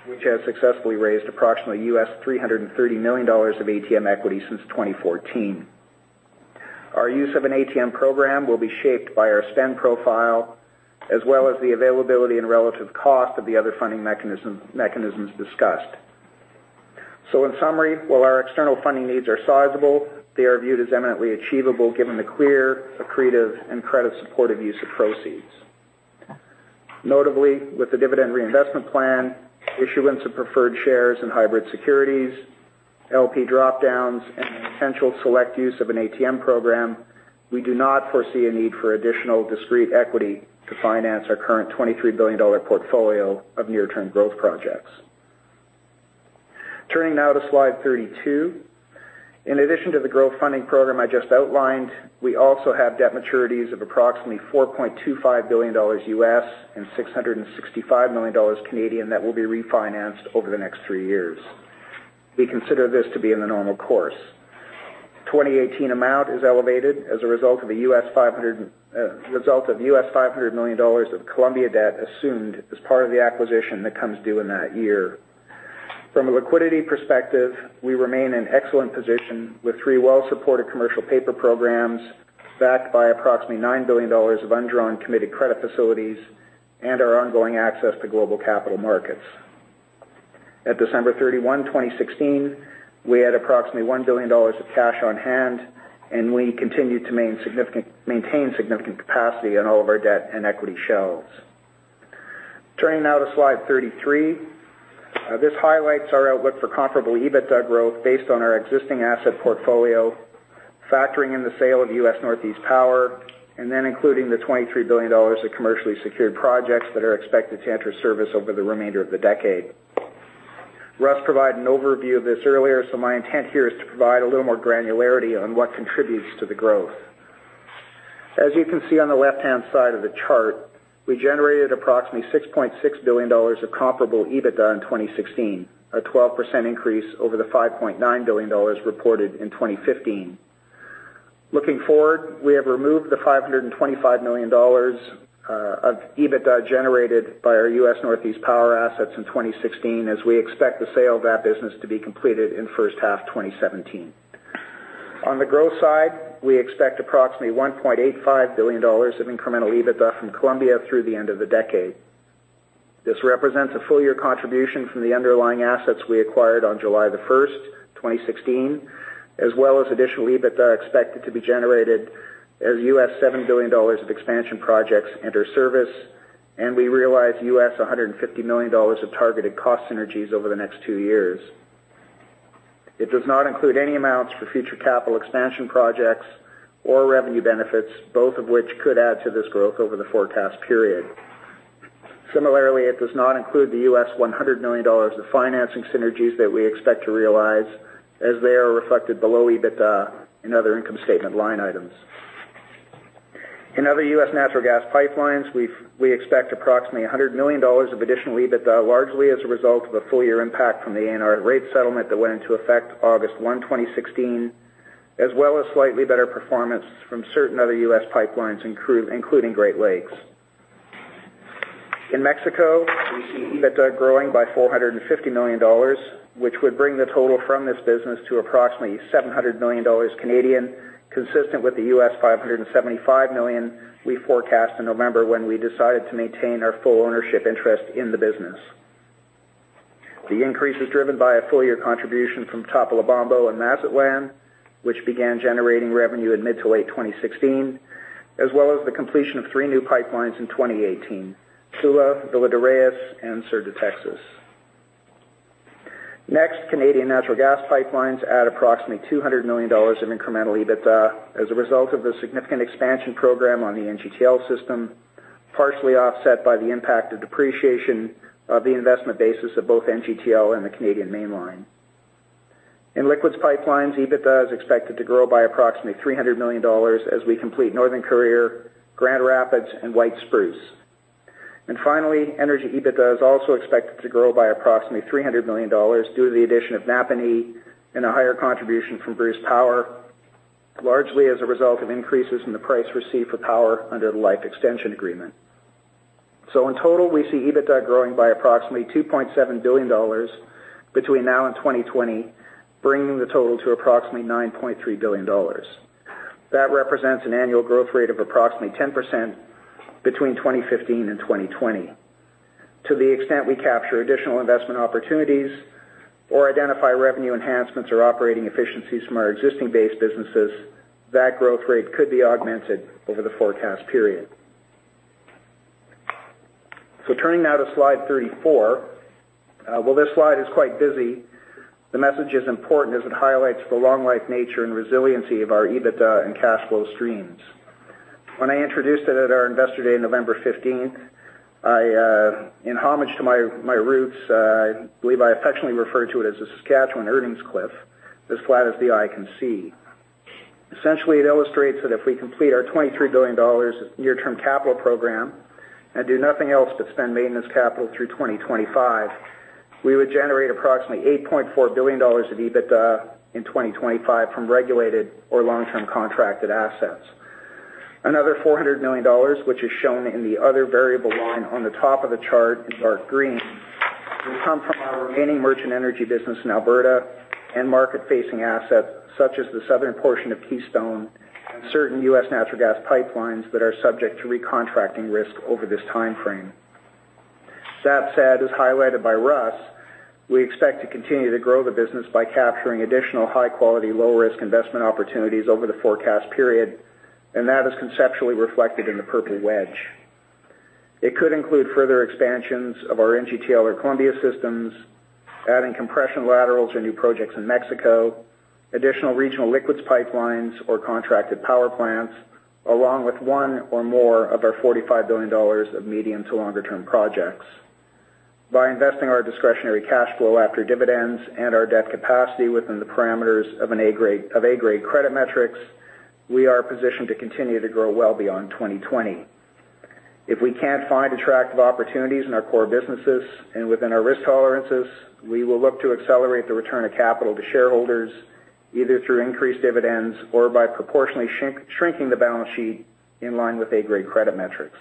which has successfully raised approximately US$330 million of ATM equity since 2014. Our use of an ATM program will be shaped by our spend profile, as well as the availability and relative cost of the other funding mechanisms discussed. In summary, while our external funding needs are sizable, they are viewed as eminently achievable given the clear, accretive, and credit-supportive use of proceeds. Notably, with the dividend reinvestment plan, issuance of preferred shares and hybrid securities, LP dropdowns, and the potential select use of an ATM program, we do not foresee a need for additional discrete equity to finance our current 23 billion dollar portfolio of near-term growth projects. Turning now to slide 32. In addition to the growth funding program I just outlined, we also have debt maturities of approximately US$4.25 billion and 665 million Canadian dollars that will be refinanced over the next three years. We consider this to be in the normal course. 2018 amount is elevated as a result of the US$500 million of Columbia debt assumed as part of the acquisition that comes due in that year. From a liquidity perspective, we remain in excellent position with three well-supported commercial paper programs, backed by approximately 9 billion dollars of undrawn committed credit facilities, and our ongoing access to global capital markets. At December 31, 2016, we had approximately 1 billion dollars of cash on hand, and we continue to maintain significant capacity on all of our debt and equity shelves. Turning now to slide 33. This highlights our outlook for comparable EBITDA growth based on our existing asset portfolio, factoring in the sale of U.S. Northeast Power, including the 23 billion dollars of commercially secured projects that are expected to enter service over the remainder of the decade. Russ provided an overview of this earlier, my intent here is to provide a little more granularity on what contributes to the growth. As you can see on the left-hand side of the chart, we generated approximately 6.6 billion dollars of comparable EBITDA in 2016, a 12% increase over the 5.9 billion dollars reported in 2015. Looking forward, we have removed the 525 million dollars of EBITDA generated by our U.S. Northeast Power assets in 2016, as we expect the sale of that business to be completed in first half 2017. On the growth side, we expect approximately 1.85 billion dollars of incremental EBITDA from Columbia through the end of the decade. This represents a full-year contribution from the underlying assets we acquired on July 1st, 2016, as well as additional EBITDA expected to be generated as U.S. $7 billion of expansion projects enter service, and we realize U.S. $150 million of targeted cost synergies over the next 2 years. It does not include any amounts for future capital expansion projects or revenue benefits, both of which could add to this growth over the forecast period. Similarly, it does not include the U.S. $100 million of financing synergies that we expect to realize, as they are reflected below EBITDA in other income statement line items. In other U.S. natural gas pipelines, we expect approximately 100 million dollars of additional EBITDA, largely as a result of a full-year impact from the ANR rate settlement that went into effect August 1, 2016, as well as slightly better performance from certain other U.S. pipelines, including Great Lakes. In Mexico, we see EBITDA growing by 450 million dollars, which would bring the total from this business to approximately 700 million Canadian dollars Canadian, consistent with the U.S. $575 million we forecast in November when we decided to maintain our full ownership interest in the business. The increase is driven by a full-year contribution from Topolobampo and Mazatlán, which began generating revenue in mid to late 2016, as well as the completion of 3 new pipelines in 2018, Tula, Villa de Reyes, and Sur de Texas. Canadian natural gas pipelines add approximately 200 million dollars in incremental EBITDA as a result of the significant expansion program on the NGTL System, partially offset by the impact of depreciation of the investment basis of both NGTL and the Canadian Mainline. In liquids pipelines, EBITDA is expected to grow by approximately 300 million dollars as we complete Northern Courier, Grand Rapids, and White Spruce. Finally, energy EBITDA is also expected to grow by approximately 300 million dollars due to the addition of Napanee and a higher contribution from Bruce Power, largely as a result of increases in the price received for power under the life extension agreement. In total, we see EBITDA growing by approximately 2.7 billion dollars between now and 2020, bringing the total to approximately 9.3 billion dollars. That represents an annual growth rate of approximately 10% between 2015 and 2020. To the extent we capture additional investment opportunities or identify revenue enhancements or operating efficiencies from our existing base businesses, that growth rate could be augmented over the forecast period. Turning now to slide 34. While this slide is quite busy, the message is important as it highlights the long-life nature and resiliency of our EBITDA and cash flow streams. When I introduced it at our Investor Day on November 15th, in homage to my roots, I believe I affectionately referred to it as the Saskatchewan earnings cliff, as flat as the eye can see. Essentially, it illustrates that if we complete our 23 billion dollars near-term capital program and do nothing else but spend maintenance capital through 2025, we would generate approximately 8.4 billion dollars of EBITDA in 2025 from regulated or long-term contracted assets. Another 400 million dollars, which is shown in the other variable line on the top of the chart in dark green, will come from our remaining merchant energy business in Alberta and market-facing assets, such as the southern portion of Keystone and certain U.S. natural gas pipelines that are subject to recontracting risk over this timeframe. That said, as highlighted by Russ, we expect to continue to grow the business by capturing additional high-quality, low-risk investment opportunities over the forecast period, and that is conceptually reflected in the purple wedge. It could include further expansions of our NGTL or Columbia systems, adding compression laterals or new projects in Mexico, additional regional liquids pipelines or contracted power plants, along with one or more of our 45 billion dollars of medium to longer-term projects. By investing our discretionary cash flow after dividends and our debt capacity within the parameters of A-grade credit metrics, we are positioned to continue to grow well beyond 2020. If we can't find attractive opportunities in our core businesses and within our risk tolerances, we will look to accelerate the return of capital to shareholders, either through increased dividends or by proportionally shrinking the balance sheet in line with A-grade credit metrics.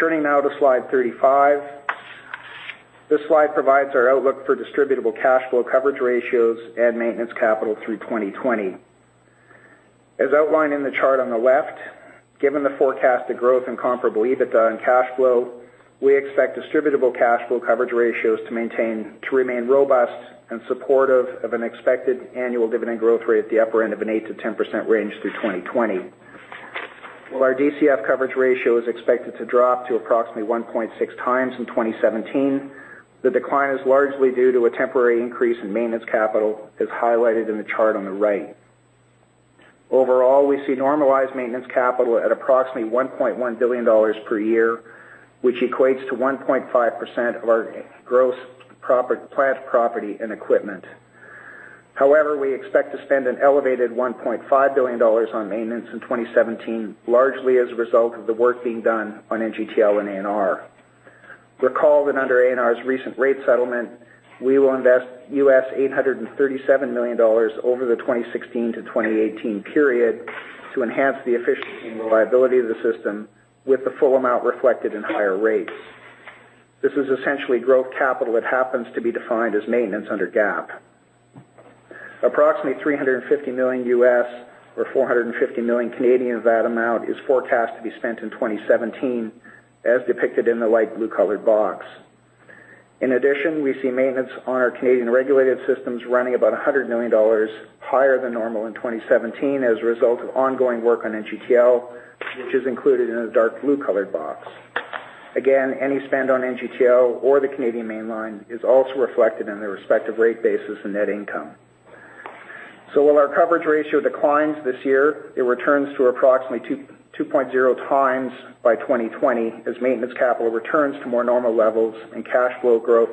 Turning now to slide 35. This slide provides our outlook for distributable cash flow coverage ratios and maintenance capital through 2020. As outlined in the chart on the left, given the forecasted growth in comparable EBITDA and cash flow, we expect distributable cash flow coverage ratios to remain robust and supportive of an expected annual dividend growth rate at the upper end of an 8%-10% range through 2020. While our DCF coverage ratio is expected to drop to approximately 1.6 times in 2017, the decline is largely due to a temporary increase in maintenance capital, as highlighted in the chart on the right. Overall, we see normalized maintenance capital at approximately 1.1 billion dollars per year, which equates to 1.5% of our gross plant property and equipment. However, we expect to spend an elevated 1.5 billion dollars on maintenance in 2017, largely as a result of the work being done on NGTL and ANR. Recall that under ANR's recent rate settlement, we will invest $837 million over the 2016-2018 period to enhance the efficiency and reliability of the system with the full amount reflected in higher rates. This is essentially growth capital that happens to be defined as maintenance under GAAP. Approximately $350 million or 450 million of that amount is forecast to be spent in 2017, as depicted in the light blue colored box. In addition, we see maintenance on our Canadian regulated systems running about 100 million dollars higher than normal in 2017 as a result of ongoing work on NGTL, which is included in the dark blue colored box. Again, any spend on NGTL or the Canadian Mainline is also reflected in the respective rate bases and net income. While our coverage ratio declines this year, it returns to approximately 2.0 times by 2020 as maintenance capital returns to more normal levels and cash flow growth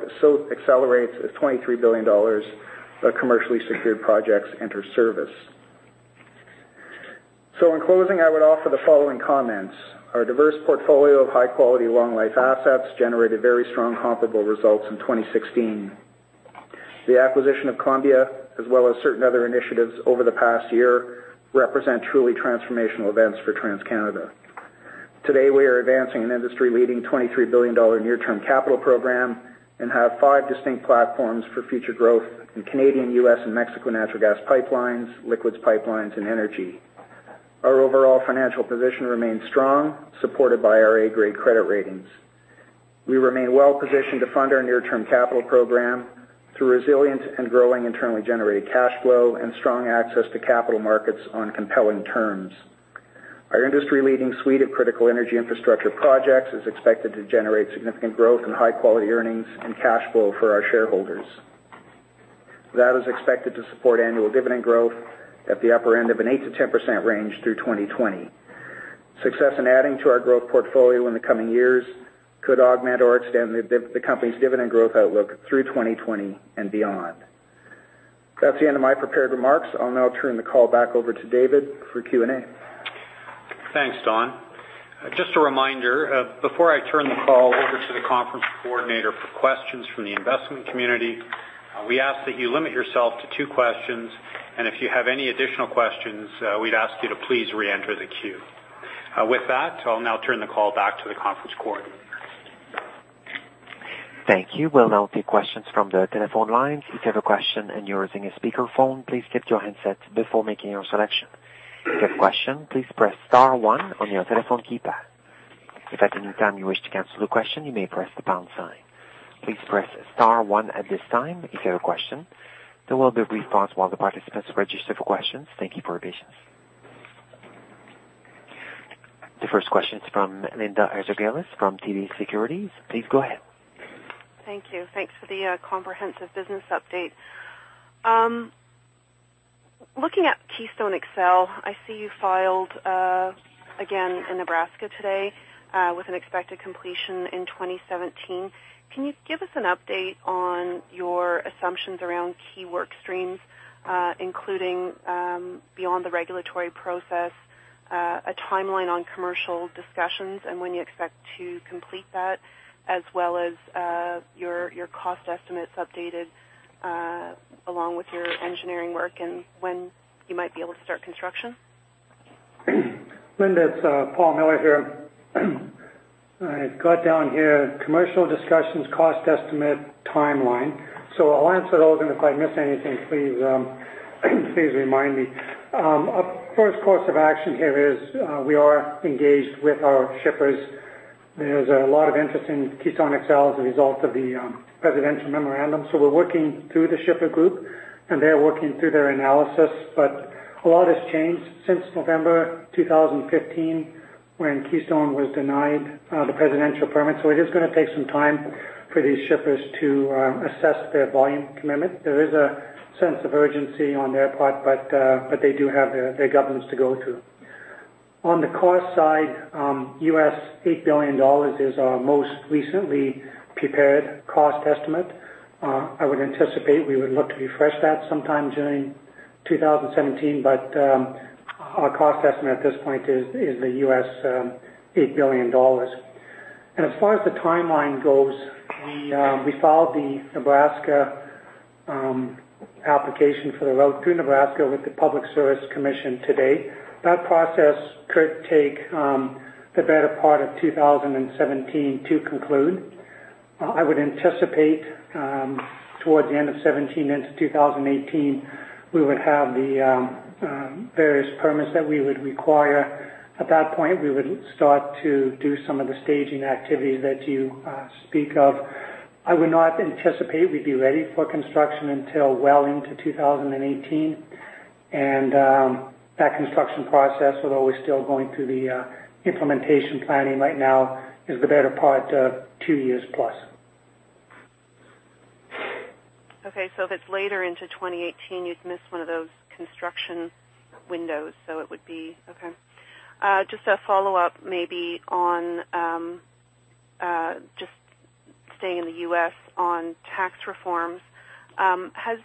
accelerates as 23 billion dollars of commercially secured projects enter service. In closing, I would offer the following comments. Our diverse portfolio of high-quality, long-life assets generated very strong comparable results in 2016. The acquisition of Columbia, as well as certain other initiatives over the past year, represent truly transformational events for TransCanada. Today, we are advancing an industry-leading 23 billion dollar near-term capital program and have five distinct platforms for future growth in Canadian, U.S., and Mexican natural gas pipelines, liquids pipelines, and energy. Our overall financial position remains strong, supported by our A-grade credit ratings. We remain well-positioned to fund our near-term capital program through resilient and growing internally generated cash flow and strong access to capital markets on compelling terms. Our industry-leading suite of critical energy infrastructure projects is expected to generate significant growth and high-quality earnings and cash flow for our shareholders. That is expected to support annual dividend growth at the upper end of an 8%-10% range through 2020. Success in adding to our growth portfolio in the coming years could augment or extend the company's dividend growth outlook through 2020 and beyond. That's the end of my prepared remarks. I'll now turn the call back over to David for Q&A. Thanks, Don. Just a reminder, before I turn the call over to the conference coordinator for questions from the investment community, we ask that you limit yourself to two questions, and if you have any additional questions, we'd ask you to please reenter the queue. With that, I'll now turn the call back to the conference coordinator. Thank you. We'll now take questions from the telephone lines. If you have a question and you're using a speakerphone, please mute your handsets before making your selection. If you have a question, please press *1 on your telephone keypad. If at any time you wish to cancel the question, you may press the pound sign. Please press *1 at this time if you have a question. There will be a brief pause while the participants register for questions. Thank you for your patience. The first question is from Linda Ezergailis from TD Securities. Please go ahead. Thank you. Thanks for the comprehensive business update. Looking at Keystone XL, I see you filed again in Nebraska today, with an expected completion in 2017. Can you give us an update on your assumptions around key work streams, including, beyond the regulatory process, a timeline on commercial discussions and when you expect to complete that, as well as your cost estimates updated Along with your engineering work and when you might be able to start construction. Linda, it's Paul Miller here. I've got down here commercial discussions, cost estimate, timeline. I'll answer those, and if I miss anything, please remind me. First course of action here is we are engaged with our shippers. There's a lot of interest in Keystone XL as a result of the presidential memorandum. We're working through the shipper group, and they're working through their analysis. A lot has changed since November 2015, when Keystone was denied the presidential permit. It is going to take some time for these shippers to assess their volume commitment. There is a sense of urgency on their part, they do have their governance to go through. On the cost side, 8 billion dollars is our most recently prepared cost estimate. I would anticipate we would look to refresh that sometime during 2017. Our cost estimate at this point is 8 billion dollars. As far as the timeline goes, we filed the Nebraska application for the route through Nebraska with the Public Service Commission today. That process could take the better part of 2017 to conclude. I would anticipate towards the end of 2017 into 2018, we would have the various permits that we would require. At that point, we would start to do some of the staging activities that you speak of. I would not anticipate we'd be ready for construction until well into 2018. That construction process, although we're still going through the implementation planning right now, is the better part of two years plus. Okay, if it's later into 2018, you'd miss one of those construction windows. Okay. Just a follow-up, maybe on just staying in the U.S. on tax reforms. Has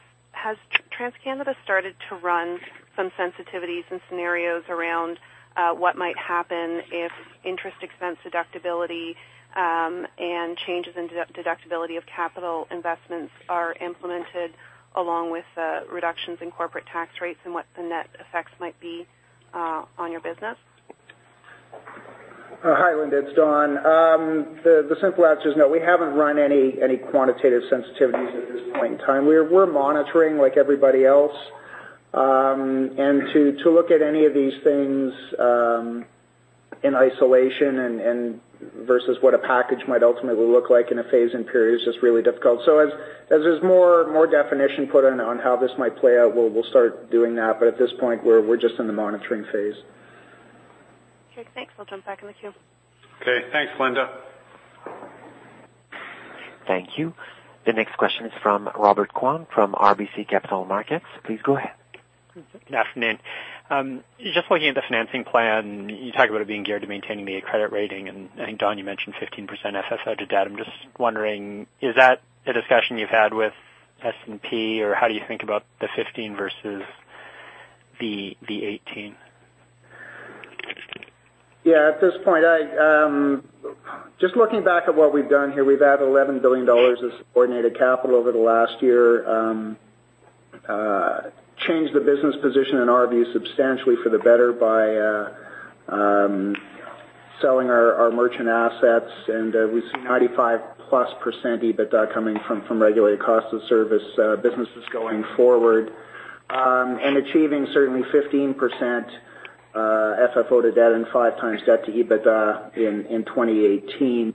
TransCanada started to run some sensitivities and scenarios around what might happen if interest expense deductibility and changes in deductibility of capital investments are implemented along with reductions in corporate tax rates, and what the net effects might be on your business? Hi, Linda, it's Don. The simple answer is no. We haven't run any quantitative sensitivities at this point in time. We're monitoring like everybody else. To look at any of these things in isolation and versus what a package might ultimately look like in a phase and period is just really difficult. As there's more definition put in on how this might play out, we'll start doing that. At this point, we're just in the monitoring phase. Okay, thanks. I'll turn back in the queue. Okay. Thanks, Linda. Thank you. The next question is from Robert Kwan from RBC Capital Markets. Please go ahead. Good afternoon. Just looking at the financing plan, you talk about it being geared to maintaining the A credit rating, and I think, Don, you mentioned 15% FFO to debt. I am just wondering, is that a discussion you have had with S&P, or how do you think about the 15 versus the 18? At this point, just looking back at what we have done here, we have added 11 billion dollars of subordinated capital over the last year. Changed the business position, in our view, substantially for the better by selling our merchant assets, and we see 95-plus % EBITDA coming from regulated cost of service businesses going forward. Achieving certainly 15% FFO to debt and five times debt to EBITDA in 2018.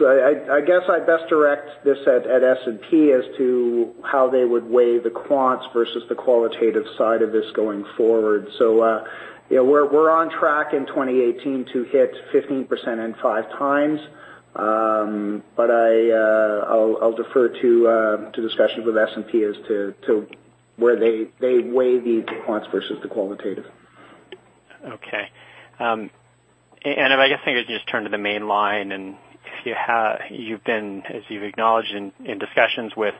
I guess I best direct this at S&P as to how they would weigh the quants versus the qualitative side of this going forward. We are on track in 2018 to hit 15% and five times. I will defer to discussions with S&P as to where they weigh the quants versus the qualitative. Okay. I guess I could just turn to the Canadian Mainline, and you have been, as you have acknowledged, in discussions with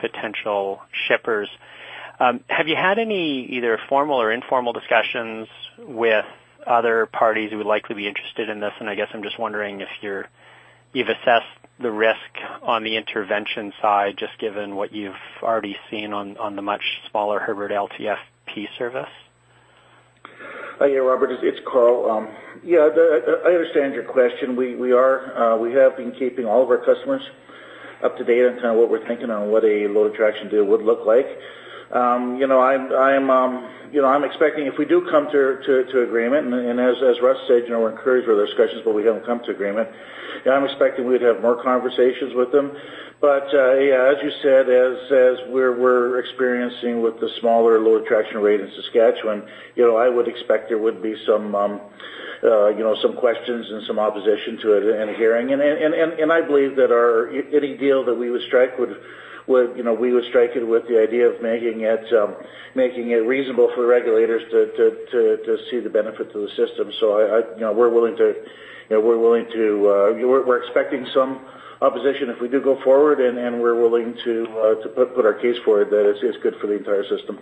potential shippers. Have you had any either formal or informal discussions with other parties who would likely be interested in this? I guess I am just wondering if you have assessed the risk on the intervention side, just given what you have already seen on the much smaller Herbert LTFP service. Yeah, Robert, it's Karl. I understand your question. We have been keeping all of our customers up to date on what we're thinking on what a load attraction deal would look like. I'm expecting if we do come to agreement, and as Russ said, we're encouraged with our discussions, but we haven't come to agreement, and I'm expecting we'd have more conversations with them. Yeah, as you said, as we're experiencing with the smaller load attraction rate in Saskatchewan, I would expect there would be some questions and some opposition to it and a hearing. I believe that any deal that we would strike, we would strike it with the idea of making it reasonable for the regulators to see the benefits of the system. We're expecting some opposition if we do go forward, and we're willing to put our case for it, that it's good for the entire system.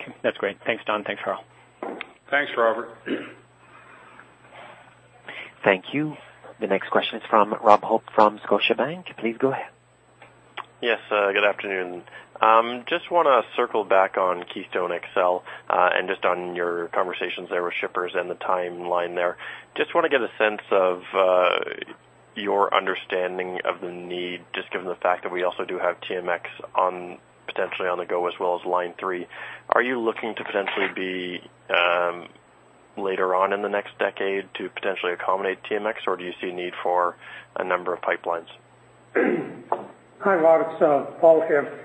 Okay. That's great. Thanks, Don. Thanks, Karl. Thanks, Robert. Thank you. The next question is from Robert Hope from Scotiabank. Please go ahead. Yes, good afternoon. Just want to circle back on Keystone XL, and just on your conversations there with shippers and the timeline there. Just want to get a sense of your understanding of the need, just given the fact that we also do have TMX potentially on the go as well as Line 3. Are you looking to potentially be later on in the next decade to potentially accommodate TMX, or do you see a need for a number of pipelines? Hi, Rob. It's Paul here.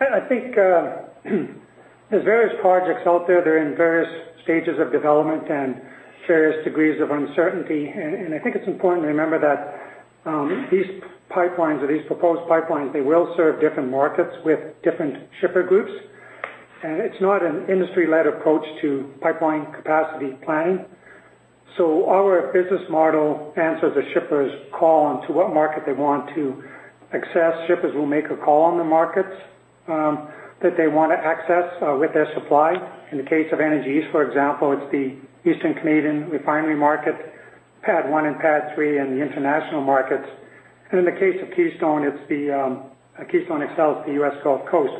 I think there's various projects out there. They're in various stages of development and various degrees of uncertainty. I think it's important to remember that these proposed pipelines, they will serve different markets with different shipper groups. It's not an industry-led approach to pipeline capacity planning. Our business model answers a shipper's call on to what market they want to access. Shippers will make a call on the markets that they want to access with their supply. In the case of Energy East, for example, it's the Eastern Canadian refinery market, PADD 1 and PADD 3 in the international markets. In the case of Keystone XL, it's the U.S. Gulf Coast.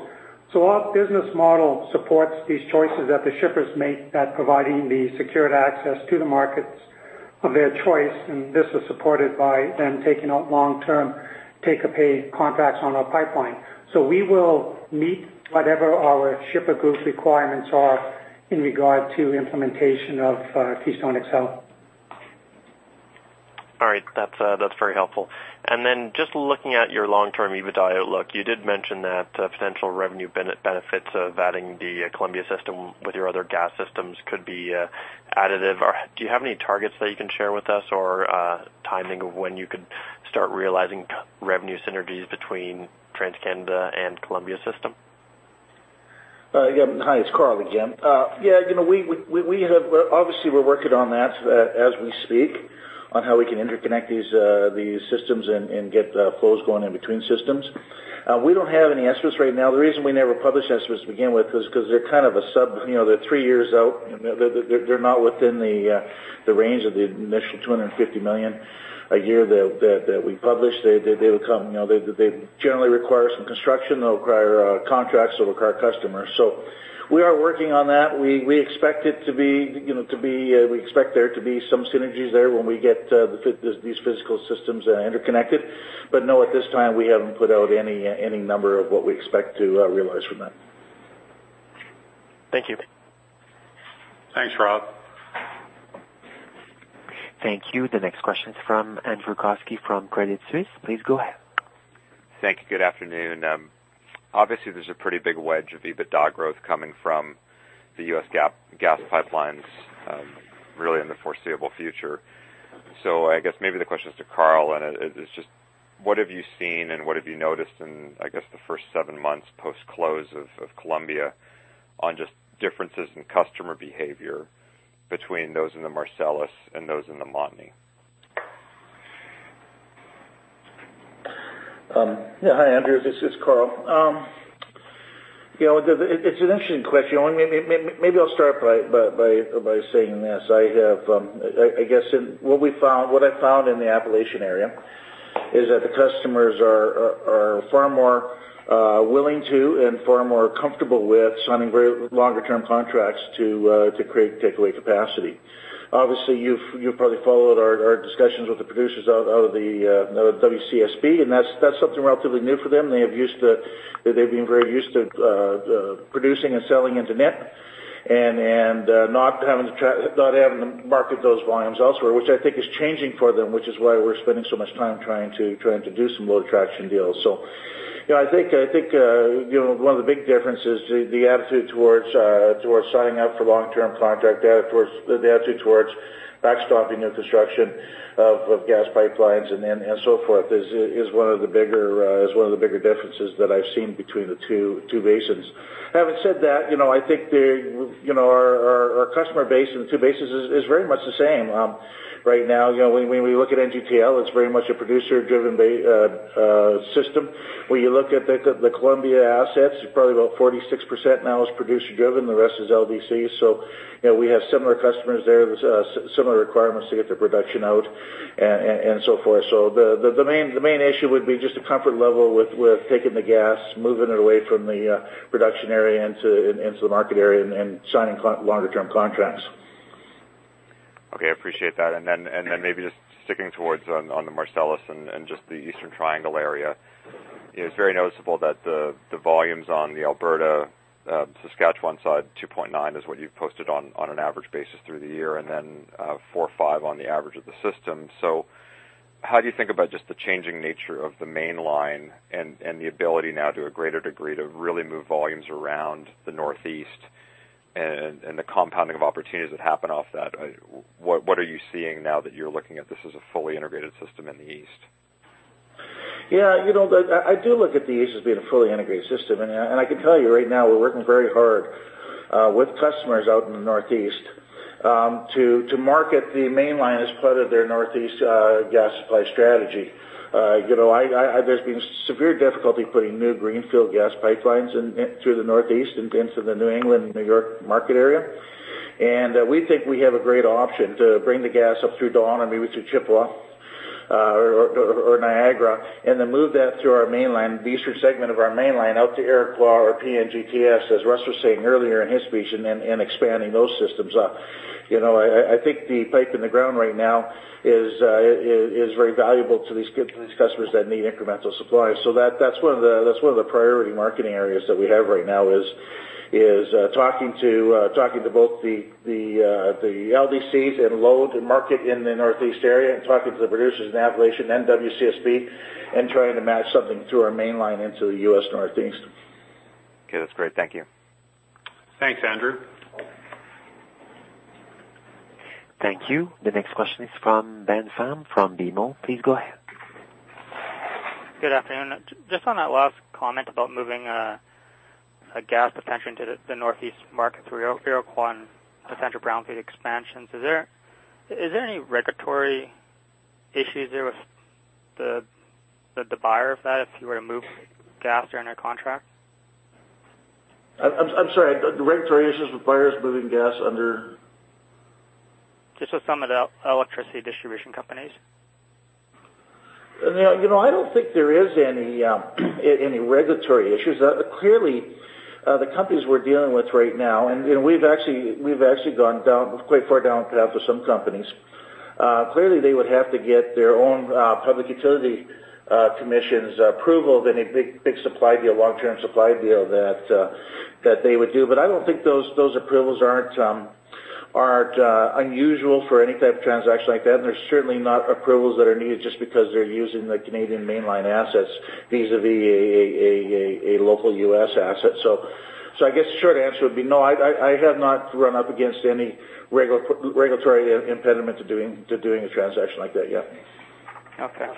Our business model supports these choices that the shippers make at providing the secured access to the markets of their choice, and this is supported by them taking out long-term take-or-pay contracts on our pipeline. We will meet whatever our shipper group requirements are in regard to implementation of Keystone XL. All right. That's very helpful. Just looking at your long-term EBITDA outlook, you did mention that potential revenue benefits of adding the Columbia system with your other gas systems could be additive. Do you have any targets that you can share with us or timing of when you could start realizing revenue synergies between TransCanada and Columbia system? Hi, it's Karl again. Obviously, we're working on that as we speak on how we can interconnect these systems and get flows going in between systems. We don't have any estimates right now. The reason we never published estimates to begin with is because they're three years out. They're not within the range of the initial 250 million a year that we published. They generally require some construction, they'll require contracts, they'll require customers. We are working on that. We expect there to be some synergies there when we get these physical systems interconnected. No, at this time, we haven't put out any number of what we expect to realize from that. Thank you. Thanks, Rob. Thank you. The next question is from Andrew Kuske from Credit Suisse. Please go ahead. Thank you. Good afternoon. Obviously, there's a pretty big wedge of EBITDA growth coming from the U.S. gas pipelines really in the foreseeable future. I guess maybe the question is to Karl, and it's just what have you seen and what have you noticed in, I guess, the first seven months post-close of Columbia on just differences in customer behavior between those in the Marcellus and those in the Montney? Yeah. Hi, Andrew. This is Karl. It's an interesting question. Maybe I'll start by saying this. What I found in the Appalachian area is that the customers are far more willing to and far more comfortable with signing longer-term contracts to create take away capacity. Obviously, you've probably followed our discussions with the producers out of the WCSB, and that's something relatively new for them. They've been very used to producing and selling into net and not having to market those volumes elsewhere, which I think is changing for them, which is why we're spending so much time trying to do some load attraction deals. I think one of the big differences, the attitude towards signing up for long-term contract, the attitude towards backstopping of construction of gas pipelines and so forth is one of the bigger differences that I've seen between the two basins. Having said that, I think our customer base in the two basins is very much the same. Right now, when we look at NGPL, it's very much a producer-driven system. When you look at the Columbia assets, probably about 46% now is producer-driven, the rest is LDCs. We have similar customers there with similar requirements to get their production out and so forth. The main issue would be just a comfort level with taking the gas, moving it away from the production area into the market area, and signing longer-term contracts. Okay, appreciate that. Maybe just sticking towards on the Marcellus and just the Eastern Triangle area, it's very noticeable that the volumes on the Alberta, Saskatchewan side, 2.9 is what you've posted on an average basis through the year, and then 4.5 on the average of the system. How do you think about just the changing nature of the Mainline and the ability now to a greater degree to really move volumes around the Northeast and the compounding of opportunities that happen off that? What are you seeing now that you're looking at this as a fully integrated system in the East? Yeah. I do look at the East as being a fully integrated system, and I can tell you right now, we're working very hard with customers out in the Northeast to market the Mainline as part of their Northeast gas supply strategy. There's been severe difficulty putting new greenfield gas pipelines through the Northeast into the New England, New York market area, and we think we have a great option to bring the gas up through Dawn and maybe through Chippawa or Niagara, and then move that through our Mainline, the eastern segment of our Mainline out to Iroquois or PNGTS, as Russ was saying earlier in his speech, and then expanding those systems up. I think the pipe in the ground right now is very valuable to these customers that need incremental supply. That's one of the priority marketing areas that we have right now is talking to both the LDCs and load to market in the Northeast area, and talking to the producers in Appalachian and WCSB and trying to match something through our Mainline into the U.S. Northeast. Okay. That's great. Thank you. Thanks, Andrew. Thank you. The next question is from Ben Pham from BMO. Please go ahead. Good afternoon. Just on that last comment about moving a gas potentially into the Northeast market through Iroquois and potential Brownfield expansions, is there any regulatory issues there with the buyer of that if you were to move gas during a contract? I'm sorry, the regulatory issues with buyers moving gas under. Just with some of the electricity distribution companies. I don't think there is any regulatory issues. Clearly, the companies we're dealing with right now, and we've actually gone quite far down the path with some companies. Clearly, they would have to get their own Public Utility Commissions approval of any big supply deal, long-term supply deal that they would do. I don't think those approvals aren't unusual for any type of transaction like that, and they're certainly not approvals that are needed just because they're using the Canadian Mainline assets vis-a-vis a local U.S. asset. I guess short answer would be no, I have not run up against any regulatory impediment to doing a transaction like that yet. Okay.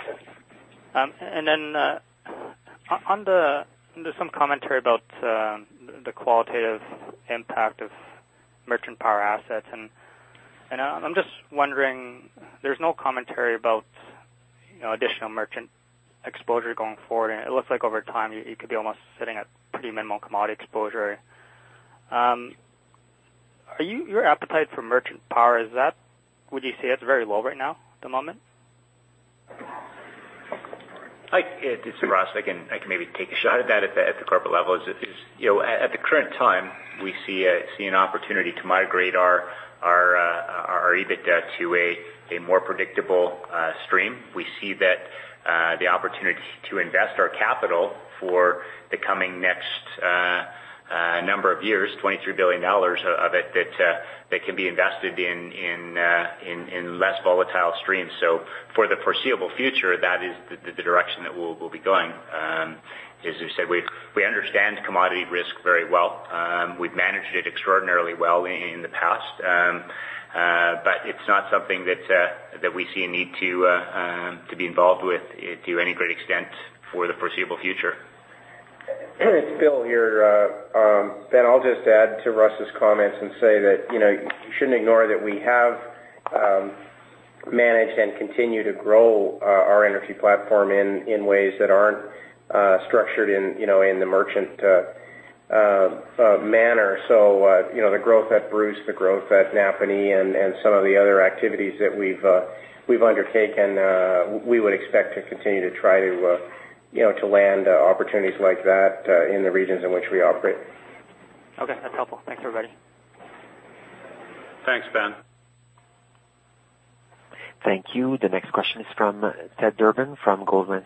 Then, on the some commentary about the qualitative impact of merchant power assets, and I'm just wondering, there's no commentary about additional merchant exposure going forward, and it looks like over time you could be almost sitting at pretty minimal commodity exposure. Your appetite for merchant power, would you say it's very low right now at the moment? It's Russ. I can maybe take a shot at that at the corporate level. At the current time, we see an opportunity to migrate our EBITDA to a more predictable stream. We see that the opportunity to invest our capital for the coming next number of years, 23 billion dollars of it, that can be invested in less volatile streams. For the foreseeable future, that is the direction that we'll be going. As you said, we understand commodity risk very well. We've managed it extraordinarily well in the past. It's not something that we see a need to be involved with to any great extent for the foreseeable future. It's Bill here. Ben, I'll just add to Russ's comments and say that you shouldn't ignore that we have managed and continue to grow our energy platform in ways that aren't structured in the merchant manner. The growth at Bruce, the growth at Napanee and some of the other activities that we've undertaken, we would expect to continue to try to land opportunities like that in the regions in which we operate. Okay. That's helpful. Thanks, everybody. Thanks, Ben. Thank you. The next question is from Theodore Durbin from Goldman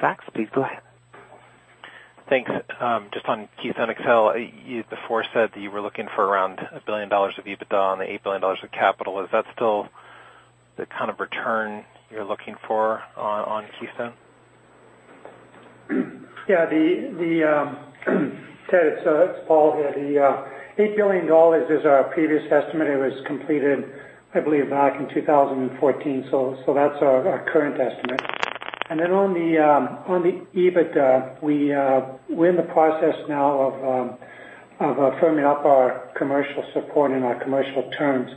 Sachs. Please go ahead. Thanks. Just on Keystone XL, you previously said that you were looking for around 1 billion dollars of EBITDA on the 8 billion dollars of capital. Is that still the kind of return you're looking for on Keystone? Yeah. Ted, it's Paul here. The 8 billion dollars is our previous estimate. It was completed, I believe, back in 2014. That's our current estimate. On the EBITDA, we're in the process now of firming up our commercial support and our commercial terms.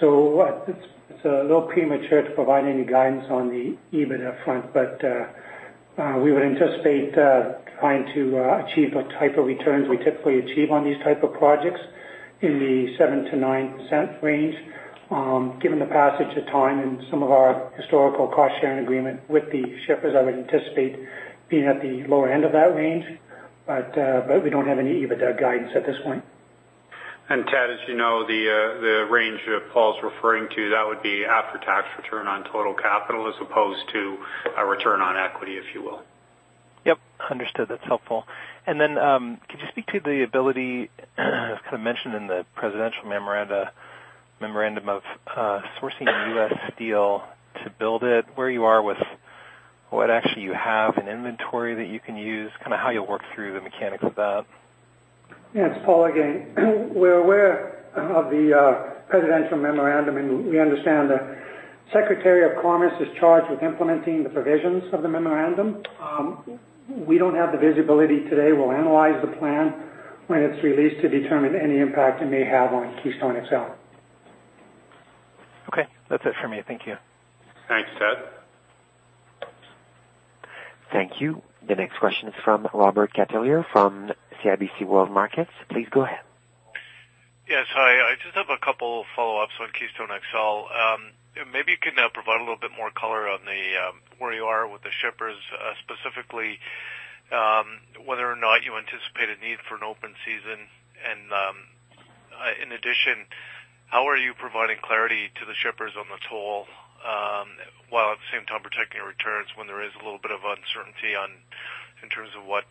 It's a little premature to provide any guidance on the EBITDA front, but we would anticipate trying to achieve what type of returns we typically achieve on these type of projects in the 0.07 to 0.09 range. Given the passage of time and some of our historical cost sharing agreement with the shippers, I would anticipate being at the lower end of that range. We don't have any EBITDA guidance at this point. Ted, as you know, the range that Paul's referring to, that would be after-tax return on total capital as opposed to a return on equity, if you will. Yep. Understood. That's helpful. Could you speak to the ability, kind of mentioned in the presidential memorandum of sourcing U.S. Steel to build it, where you are with what actually you have in inventory that you can use, how you'll work through the mechanics of that? It's Paul again. We're aware of the presidential memorandum. We understand the Secretary of Commerce is charged with implementing the provisions of the memorandum. We don't have the visibility today. We'll analyze the plan when it's released to determine any impact it may have on Keystone XL. That's it for me. Thank you. Thanks, Ted. Thank you. The next question is from Robert Catellier from CIBC World Markets. Please go ahead. Yes. Hi. I just have a couple follow-ups on Keystone XL. Maybe you can provide a little bit more color on where you are with the shippers, specifically whether or not you anticipate a need for an open season. In addition, how are you providing clarity to the shippers on the toll, while at the same time protecting your returns when there is a little bit of uncertainty in terms of what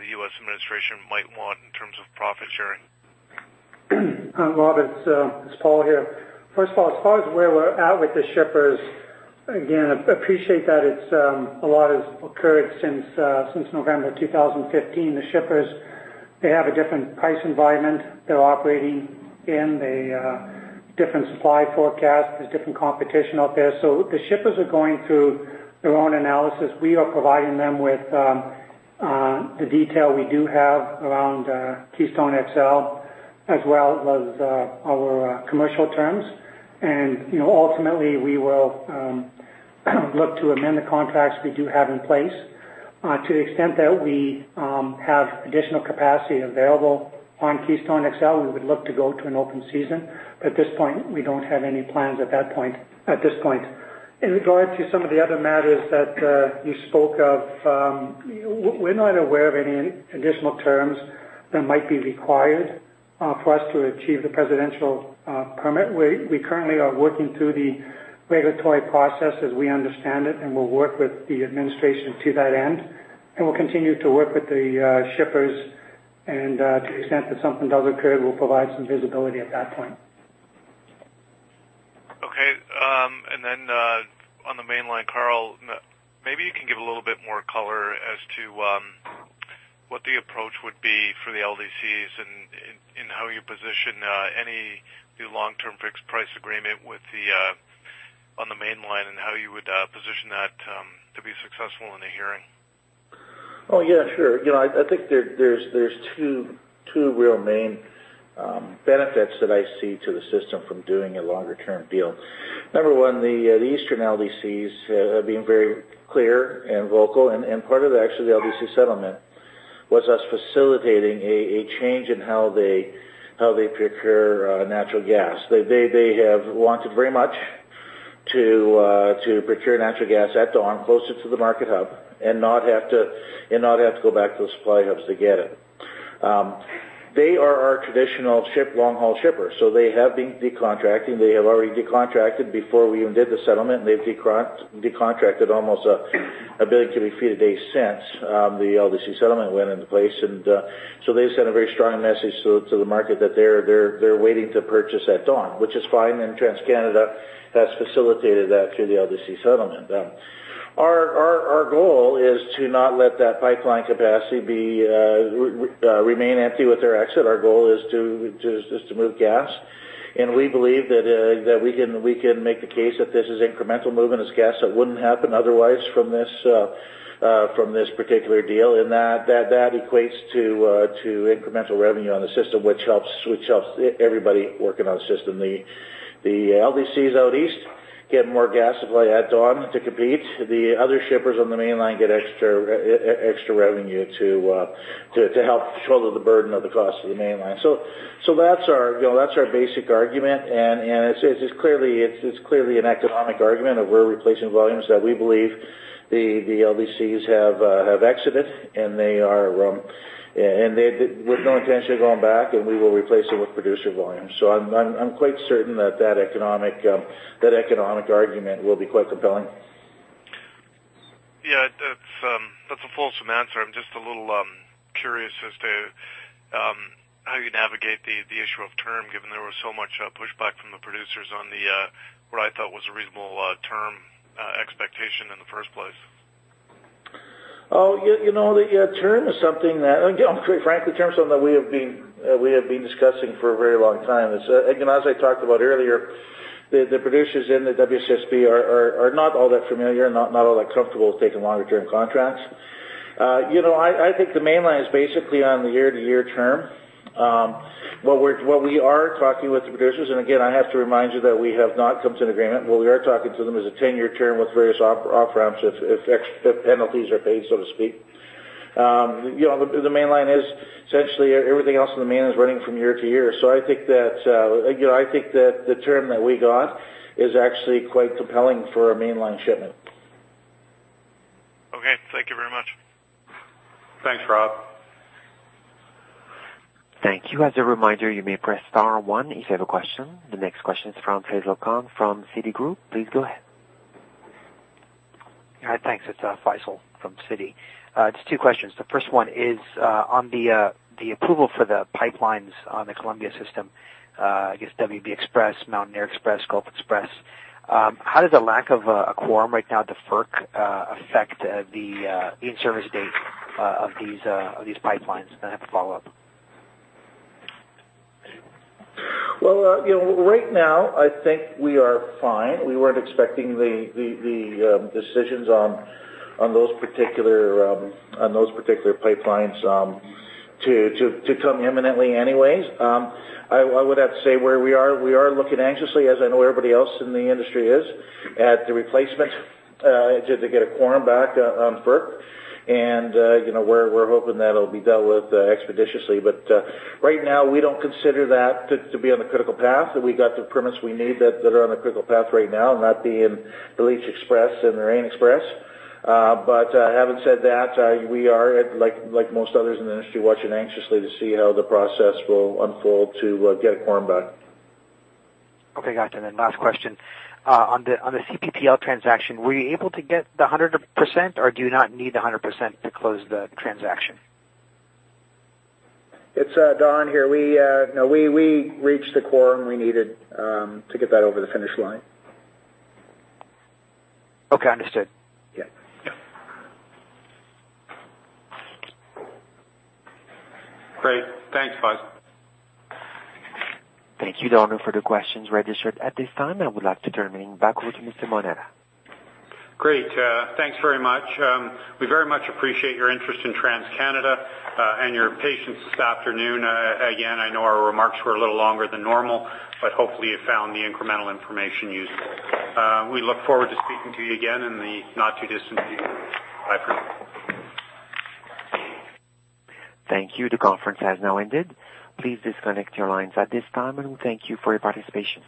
the U.S. administration might want in terms of profit sharing? Rob, it's Paul here. First of all, as far as where we're at with the shippers, again, appreciate that a lot has occurred since November 2015. The shippers have a different price environment they're operating in, a different supply forecast. There's different competition out there. The shippers are going through their own analysis. We are providing them with the detail we do have around Keystone XL, as well as our commercial terms. Ultimately, we will look to amend the contracts we do have in place. To the extent that we have additional capacity available on Keystone XL, we would look to go to an open season, but at this point, we don't have any plans at this point. In regard to some of the other matters that you spoke of, we're not aware of any additional terms that might be required for us to achieve the presidential permit. We currently are working through the regulatory process as we understand it. We'll work with the administration to that end. We'll continue to work with the shippers. To the extent that something does occur, we'll provide some visibility at that point. Okay. Then, on the Mainline, Karl, maybe you can give a little bit more color as to what the approach would be for the LDCs and how you position any new long-term fixed price agreement on the Mainline, and how you would position that to be successful in the hearing. Oh, yeah, sure. I think there's two real main benefits that I see to the system from doing a longer-term deal. Number one, the Eastern LDCs have been very clear and vocal, and part of, actually, the LDC settlement was us facilitating a change in how they procure natural gas. They have wanted very much to procure natural gas at Dawn closer to the market hub and not have to go back to the supply hubs to get it. They are our traditional long-haul shipper, so they have been decontracting. They have already decontracted before we even did the settlement, and they've decontracted almost 1 billion cubic feet a day since the LDC settlement went into place. They sent a very strong message to the market that they're waiting to purchase at Dawn, which is fine, and TransCanada has facilitated that through the LDC settlement. Our goal is to not let that pipeline capacity remain empty with their exit. Our goal is to move gas, and we believe that we can make the case that this is incremental movement. It's gas that wouldn't happen otherwise from this particular deal, and that equates to incremental revenue on the system, which helps everybody working on the system. The LDCs out East get more gas supply at Dawn to compete. The other shippers on the Mainline get extra revenue to help shoulder the burden of the cost of the Mainline. That's our basic argument, and it's clearly an economic argument of we're replacing volumes that we believe the LDCs have exited, and with no intention of going back, and we will replace it with producer volume. I'm quite certain that economic argument will be quite compelling. Yeah. That's a fulsome answer. I'm just a little curious as to how you navigate the issue of term, given there was so much pushback from the producers on what I thought was a reasonable term expectation in the first place. Yeah, term is something that, quite frankly, term is something that we have been discussing for a very long time. As I talked about earlier, the producers in the WCSB are not all that familiar, not all that comfortable with taking longer-term contracts. I think the Mainline is basically on the year-to-year term. What we are talking with the producers, and again, I have to remind you that we have not come to an agreement, what we are talking to them is a 10-year term with various off-ramps if penalties are paid, so to speak. Essentially, everything else in the Mainline is running from year to year. I think that the term that we got is actually quite compelling for a Mainline shipment. Okay. Thank you very much. Thanks, Rob. Thank you. As a reminder, you may press star one if you have a question. The next question is from Faisel Khan from Citigroup. Please go ahead. Hi, thanks. It's Faisel from Citi. Just two questions. The first one is on the approval for the pipelines on the Columbia system, I guess WB Xpress, Mountaineer Xpress, Gulf Xpress. How does the lack of a quorum right now at the FERC affect the in-service date of these pipelines? I have a follow-up. Right now, I think we are fine. We weren't expecting the decisions on those particular pipelines to come imminently anyway. I would have to say where we are, we are looking anxiously, as I know everybody else in the industry is, at the replacement to get a quorum back on FERC, and we're hoping that it'll be dealt with expeditiously. Right now, we don't consider that to be on the critical path, that we got the permits we need that are on the critical path right now, and that being the Leach Xpress and the Rayne Xpress. Having said that, we are, like most others in the industry, watching anxiously to see how the process will unfold to get a quorum back. Okay, gotcha. Last question. On the CPPL transaction, were you able to get the 100%, or do you not need the 100% to close the transaction? It's Don here. We reached the quorum we needed to get that over the finish line. Okay, understood. Yeah. Yeah. Great. Thanks, Faisel. Thank you to all for the questions registered at this time, and I would like to turn the meeting back over to Mr. Moneta. Great. Thanks very much. We very much appreciate your interest in TransCanada, and your patience this afternoon. Again, I know our remarks were a little longer than normal, but hopefully, you found the incremental information useful. We look forward to speaking to you again in the not-too-distant future. Bye for now. Thank you. The conference has now ended. Please disconnect your lines at this time, and thank you for your participation.